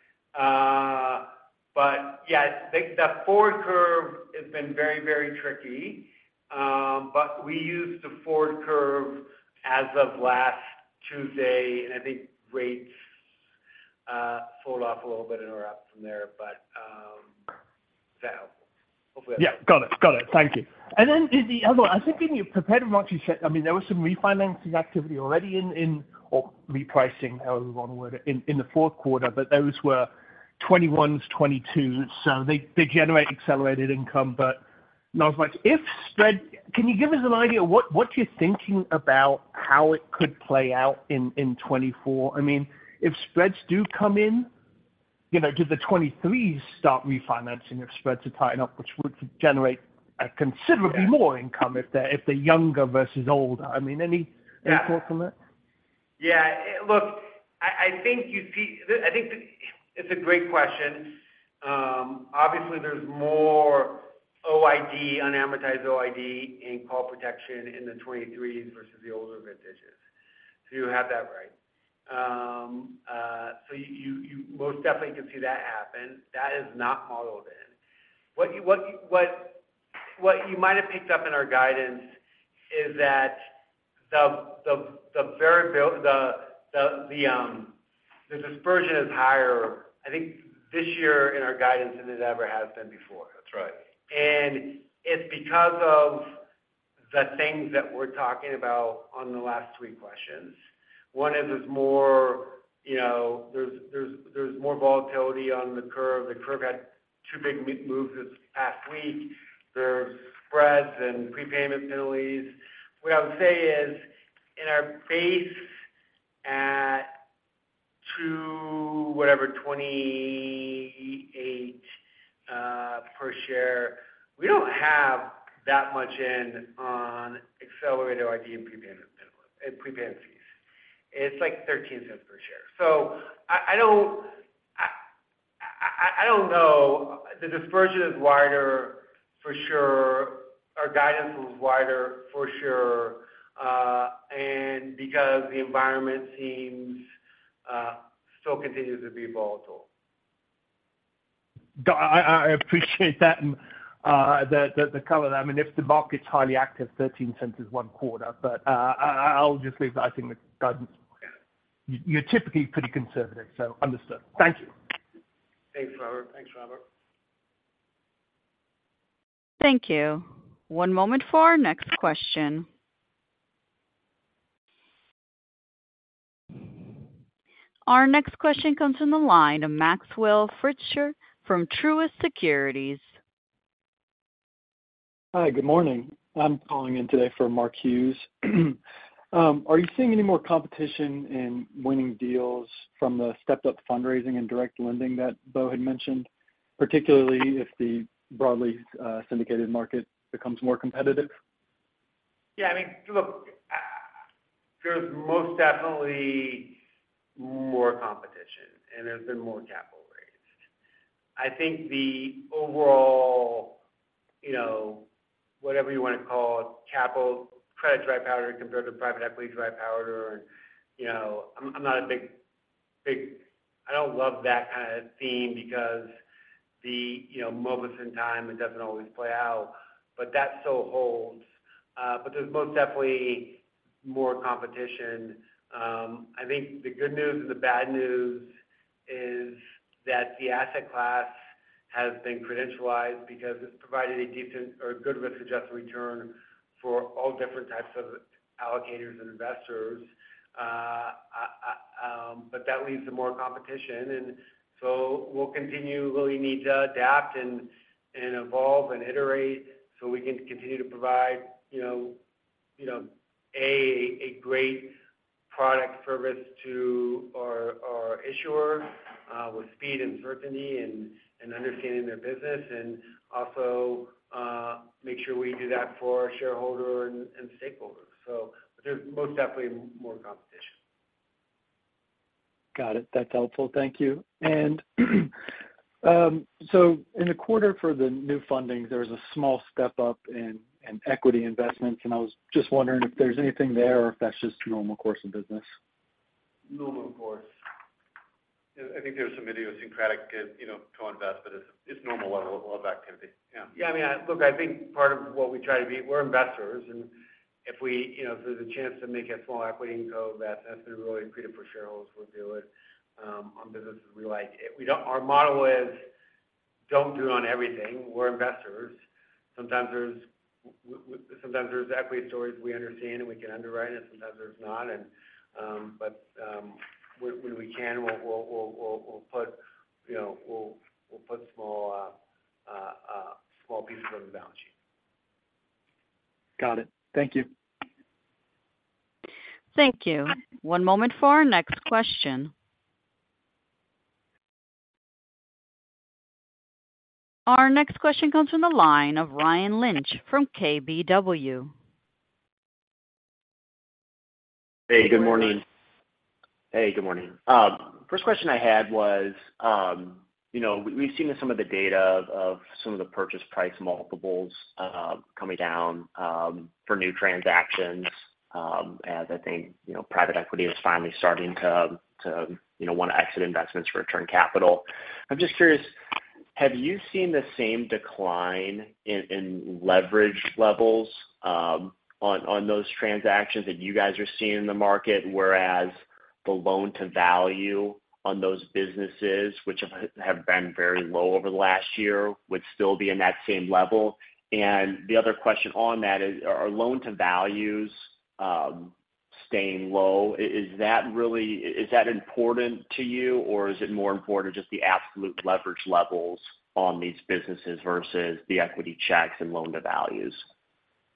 But yeah, the forward curve has been very, very tricky. But we used the forward curve as of last Tuesday. And I think rates fell off a little bit and are up from there. But is that helpful? Hopefully, that's helpful. Yeah. Got it. Got it. Thank you. And then the other one, I think in your preliminary monthly, I mean, there was some refinancing activity already in or repricing, however you want to word it, in the fourth quarter. But those were 2021s, 2022s. So they generate accelerated income. But not as much if spreads, can you give us an idea of what you're thinking about how it could play out in 2024? I mean, if spreads do come in, do the 2023s start refinancing if spreads are tightening up, which would generate considerably more income if they're younger versus older? I mean, any thoughts on that? Yeah. Look, I think you see I think it's a great question. Obviously, there's more OID, unamortized OID, and call protection in the 2023 versus the older vintages. So you have that right. So you most definitely could see that happen. That is not modeled in. What you might have picked up in our guidance is that the dispersion is higher, I think, this year in our guidance than it ever has been before. And it's because of the things that we're talking about on the last three questions. One is there's more volatility on the curve. The curve had two big moves this past week. There's spreads and prepayment penalties. What I would say is in our base at whatever, $28 per share, we don't have that much in on accelerated OID and prepayment fees. It's like $0.13 per share. So I don't know. The dispersion is wider for sure. Our guidance was wider for sure because the environment still continues to be volatile. I appreciate that and the color of that. I mean, if the market's highly active, $0.13 is one quarter. But I'll just leave that. I think the guidance. You're typically pretty conservative. So understood. Thank you. Thanks, Robert. Thanks, Robert. Thank you. One moment for our next question. Our next question comes from the line of Maxwell Fritscher from Truist Securities. Hi. Good morning. I'm calling in today for Mark Hughes. Are you seeing any more competition in winning deals from the stepped-up fundraising and direct lending that Bo had mentioned, particularly if the broadly syndicated market becomes more competitive? Yeah. I mean, look, there's most definitely more competition, and there's been more capital raised. I think the overall whatever you want to call it, credit dry powder compared to private equity dry powder, and I'm not a big I don't love that kind of theme because the moments in time, it doesn't always play out. But that still holds. But there's most definitely more competition. I think the good news and the bad news is that the asset class has been institutionalized because it's provided a decent or good risk-adjusted return for all different types of allocators and investors. But that leads to more competition. And so we'll continue. Really need to adapt and evolve and iterate so we can continue to provide a great product service to our issuer with speed and certainty and understanding their business and also make sure we do that for our shareholder and stakeholders. But there's most definitely more competition. Got it. That's helpful. Thank you. And so in the quarter for the new funding, there's a small step up in equity investments. I was just wondering if there's anything there or if that's just normal course of business. Normal course. I think there's some idiosyncratic co-invests, but it's normal level of activity. Yeah. Yeah. I mean, look, I think part of what we try to be we're investors. And if there's a chance to make a small equity income, that's been really creative for shareholders. We'll do it on businesses we like. Our model is don't do it on everything. We're investors. Sometimes there's equity stories we understand and we can underwrite, and sometimes there's not. But when we can, we'll put small pieces on the balance sheet. Got it. Thank you. Thank you. One moment for our next question. Our next question comes from the line of Ryan Lynch from KBW. Hey. Good morning. Hey. Good morning. First question I had was we've seen some of the data of some of the purchase price multiples coming down for new transactions as I think private equity is finally starting to want to exit investments for return capital. I'm just curious, have you seen the same decline in leverage levels on those transactions that you guys are seeing in the market whereas the loan-to-value on those businesses, which have been very low over the last year, would still be in that same level? And the other question on that is, are loan-to-values staying low? Is that important to you, or is it more important just the absolute leverage levels on these businesses versus the equity checks and loan-to-values?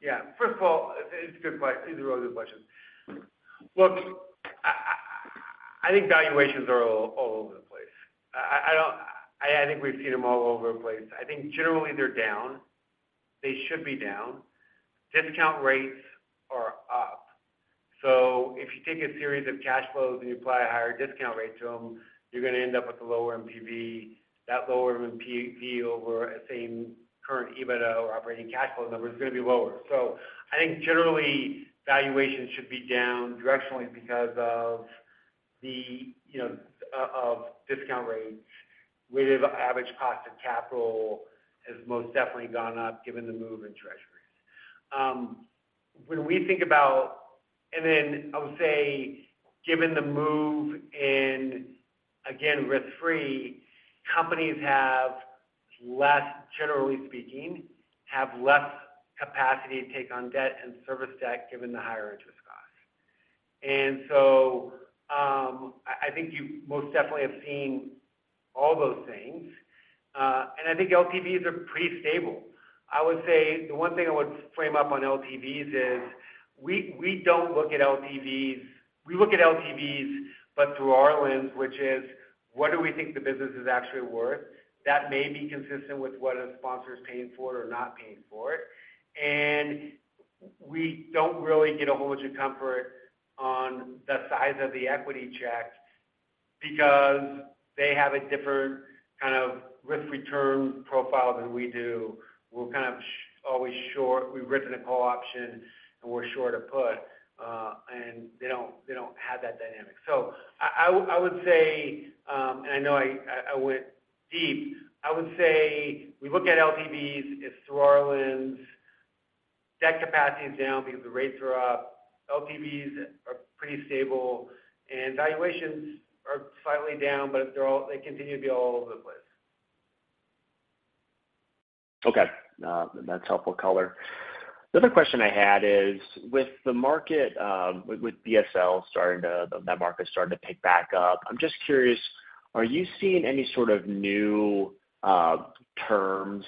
Yeah. First of all, it's a good question. These are all good questions. Look, I think valuations are all over the place. I think we've seen them all over the place. I think generally, they're down. They should be down. Discount rates are up. So if you take a series of cash flows and you apply a higher discount rate to them, you're going to end up with a lower MPV. That lower MPV over a same current EBITDA or operating cash flow number is going to be lower. So I think generally, valuations should be down directionally because of the discount rates. Weighted of average cost of capital has most definitely gone up given the move in treasuries. When we think about and then I would say given the move in, again, risk-free, companies have less, generally speaking, have less capacity to take on debt and service debt given the higher interest cost. And so I think you most definitely have seen all those things. And I think LTVs are pretty stable. I would say the one thing I would frame up on LTVs is we don't look at LTVs. We look at LTVs but through our lens, which is what do we think the business is actually worth? That may be consistent with what a sponsor is paying for it or not paying for it. And we don't really get a whole bunch of comfort on the size of the equity check because they have a different kind of risk-return profile than we do. We're kind of always short. We've written a call option, and we're short the put. And they don't have that dynamic. So I would say, and I know I went deep. I would say we look at LTVs. It's through our lens. Debt capacity is down because the rates are up. LTVs are pretty stable. And valuations are slightly down, but they continue to be all over the place. Okay. That's helpful color. The other question I had is with the BSL market starting to pick back up. I'm just curious, are you seeing any sort of new terms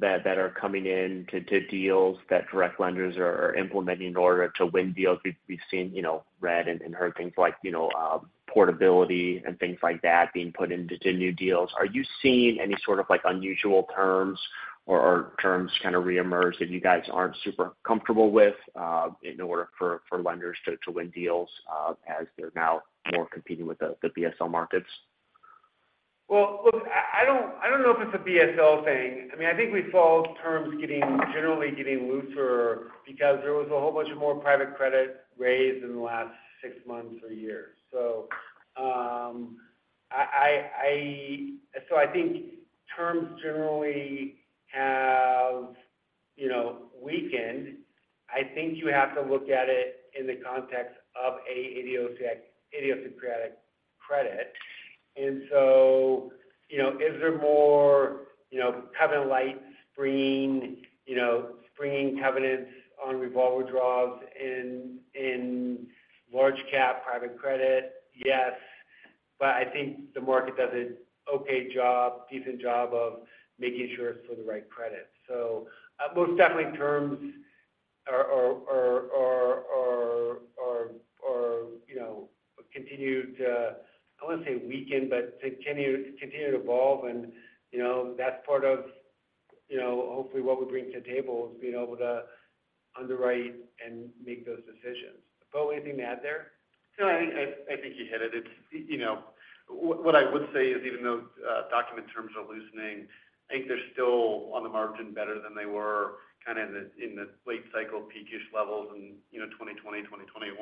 that are coming into deals that direct lenders are implementing in order to win deals? We've seen, read, and heard things like portability and things like that being put into new deals. Are you seeing any sort of unusual terms or terms kind of reemerge that you guys aren't super comfortable with in order for lenders to win deals as they're now more competing with the BSL markets? Well, look, I don't know if it's a BSL thing. I mean, I think we saw terms generally getting looser because there was a whole bunch of more private credit raised in the last six months or years. So I think terms generally have weakened. I think you have to look at it in the context of a idiosyncratic credit. And so is there more covenant-lite, springing covenants on revolver withdrawals in large-cap private credit? Yes. But I think the market does an okay job, decent job of making sure it's for the right credit. So most definitely, terms are continued to I want to say weaken, but continue to evolve. And that's part of, hopefully, what we bring to the table is being able to underwrite and make those decisions. Bo, anything to add there? No. I think you hit it. What I would say is even though document terms are loosening, I think they're still on the margin better than they were kind of in the late cycle peakish levels in 2020, 2021.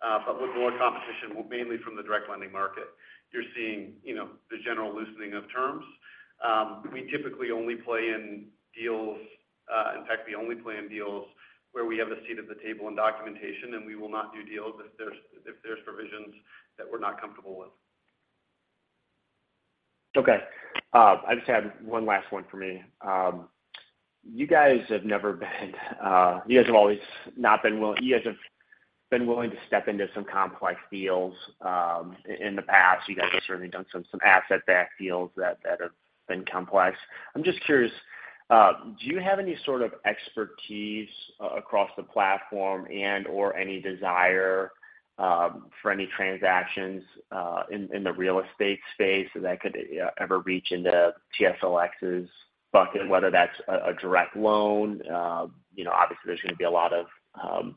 But with more competition, mainly from the direct lending market, you're seeing the general loosening of terms. We typically only play in deals in fact, we only play in deals where we have a seat at the table in documentation, and we will not do deals if there's provisions that we're not comfortable with. Okay. I just had one last one for me. You guys have always been willing to step into some complex deals in the past. You guys have certainly done some asset-backed deals that have been complex. I'm just curious, do you have any sort of expertise across the platform and/or any desire for any transactions in the real estate space that could ever reach into TSLX's bucket, whether that's a direct loan? Obviously, there's going to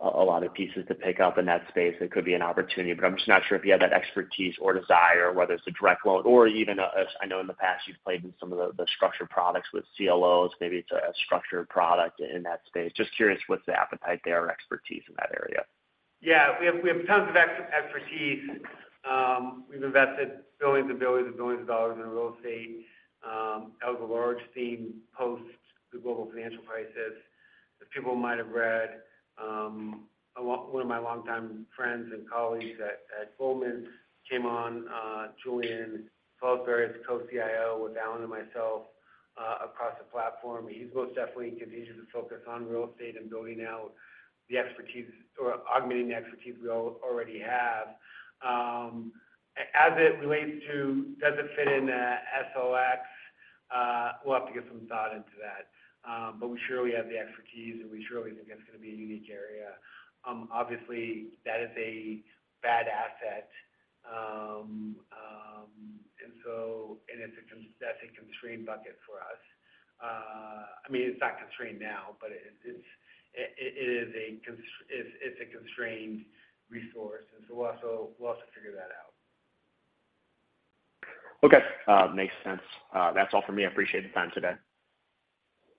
be a lot of pieces to pick up in that space. It could be an opportunity. But I'm just not sure if you have that expertise or desire, whether it's a direct loan or even I know in the past, you've played in some of the structured products with CLOs. Maybe it's a structured product in that space. Just curious, what's the appetite there or expertise in that area? Yeah. We have tons of expertise. We've invested billions and billions and billions of dollars in real estate as a large theme post the global financial crisis, as people might have read. One of my longtime friends and colleagues at Goldman came on, Julian Salisbury, as co-CIO with Alan and myself across the platform. He's most definitely continuing to focus on real estate and building out the expertise or augmenting the expertise we already have. As it relates to does it fit in TSLX? We'll have to get some thought into that. But we surely have the expertise, and we surely think it's going to be a unique area. Obviously, that is a bad asset. And it's a constrained bucket for us. I mean, it's not constrained now, but it is a constrained resource. And so we'll also figure that out. Okay. Makes sense. That's all for me. I appreciate the time today.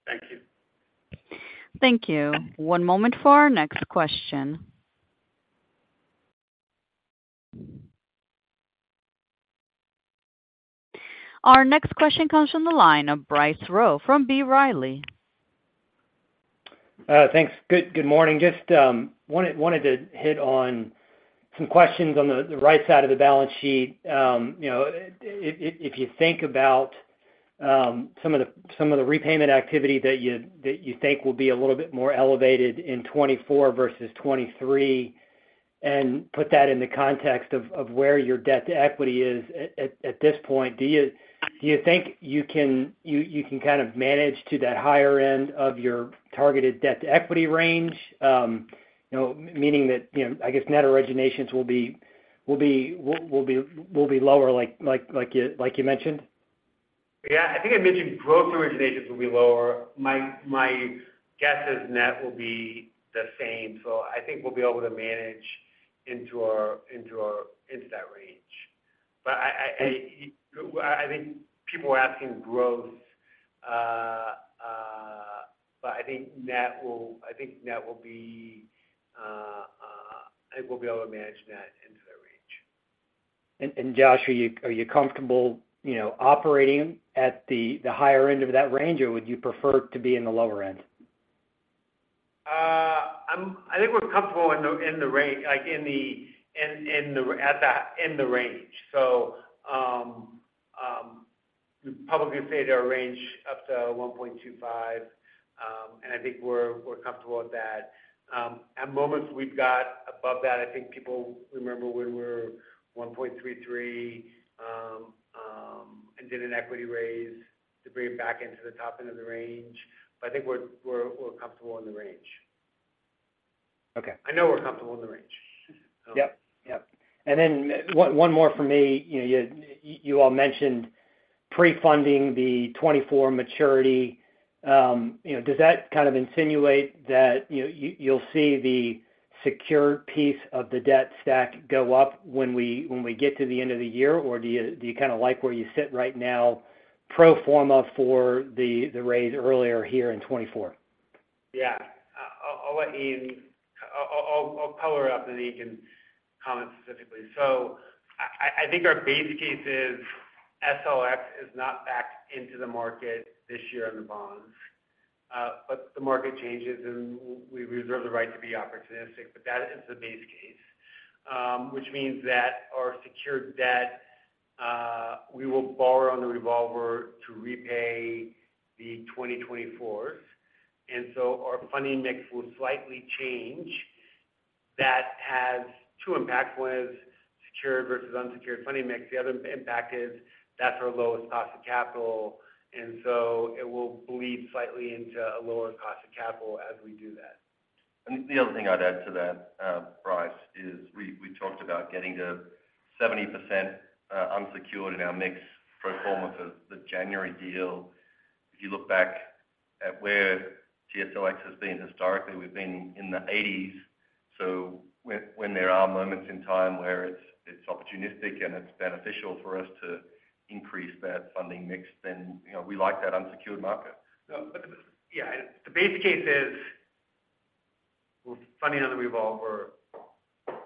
Thank you. Thank you. One moment for our next question. Our next question comes from the line of Bryce Rowe from B. Riley. Thanks. Good morning. Just wanted to hit on some questions on the right side of the balance sheet. If you think about some of the repayment activity that you think will be a little bit more elevated in 2024 versus 2023 and put that in the context of where your debt to equity is at this point, do you think you can kind of manage to that higher end of your targeted debt to equity range, meaning that, I guess, net originations will be lower like you mentioned? Yeah. I think I mentioned gross originations will be lower. My guess is net will be the same. So I think we'll be able to manage into that range. But I think people were asking growth. But I think net will be. I think we'll be able to manage net into that range. Joshua, are you comfortable operating at the higher end of that range, or would you prefer to be in the lower end? I think we're comfortable in the range at the end of the range. We'd probably say to our range up to 1.25. I think we're comfortable with that. At times, we've got above that. I think people remember when we were 1.33 and did an equity raise to bring it back into the top end of the range. I think we're comfortable in the range. I know we're comfortable in the range. Yep. Yep. And then one more for me. You all mentioned pre-funding the 2024 maturity. Does that kind of insinuate that you'll see the secured piece of the debt stack go up when we get to the end of the year? Or do you kind of like where you sit right now pro forma for the raise earlier here in 2024? Yeah. I'll let Ian. I'll power up, and then he can comment specifically. So I think our base case is TSLX is not back into the market this year on the bonds. But the market changes, and we reserve the right to be opportunistic. But that is the base case, which means that our secured debt, we will borrow on the revolver to repay the 2024s. And so our funding mix will slightly change. That has two impacts. One is secured versus unsecured funding mix. The other impact is that's our lowest cost of capital. And so it will bleed slightly into a lower cost of capital as we do that. The other thing I'd add to that, Bryce, is we talked about getting to 70% unsecured in our mix pro forma for the January deal. If you look back at where TSLX has been historically, we've been in the 1980s. When there are moments in time where it's opportunistic and it's beneficial for us to increase that funding mix, then we like that unsecured market. Yeah. The base case is we're funding on the revolver.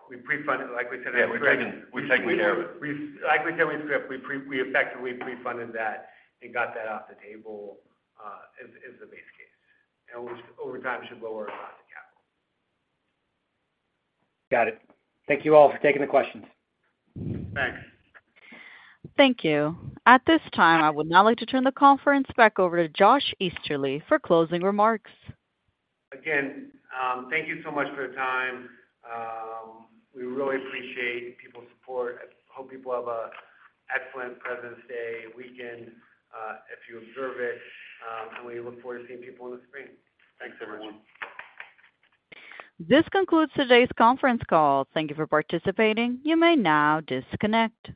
We pre-fund it. Like we said in the script. Yeah. We've taken care of it. Like we said in the script, we effectively pre-funded that and got that off the table is the base case. Over time, it should lower our cost of capital. Got it. Thank you all for taking the questions. Thanks. Thank you. At this time, I would now like to turn the conference back over to Josh Easterly for closing remarks. Again, thank you so much for your time. We really appreciate people's support. I hope people have an excellent President's Day weekend if you observe it. We look forward to seeing people in the spring. Thanks so much. This concludes today's conference call. Thank you for participating. You may now disconnect.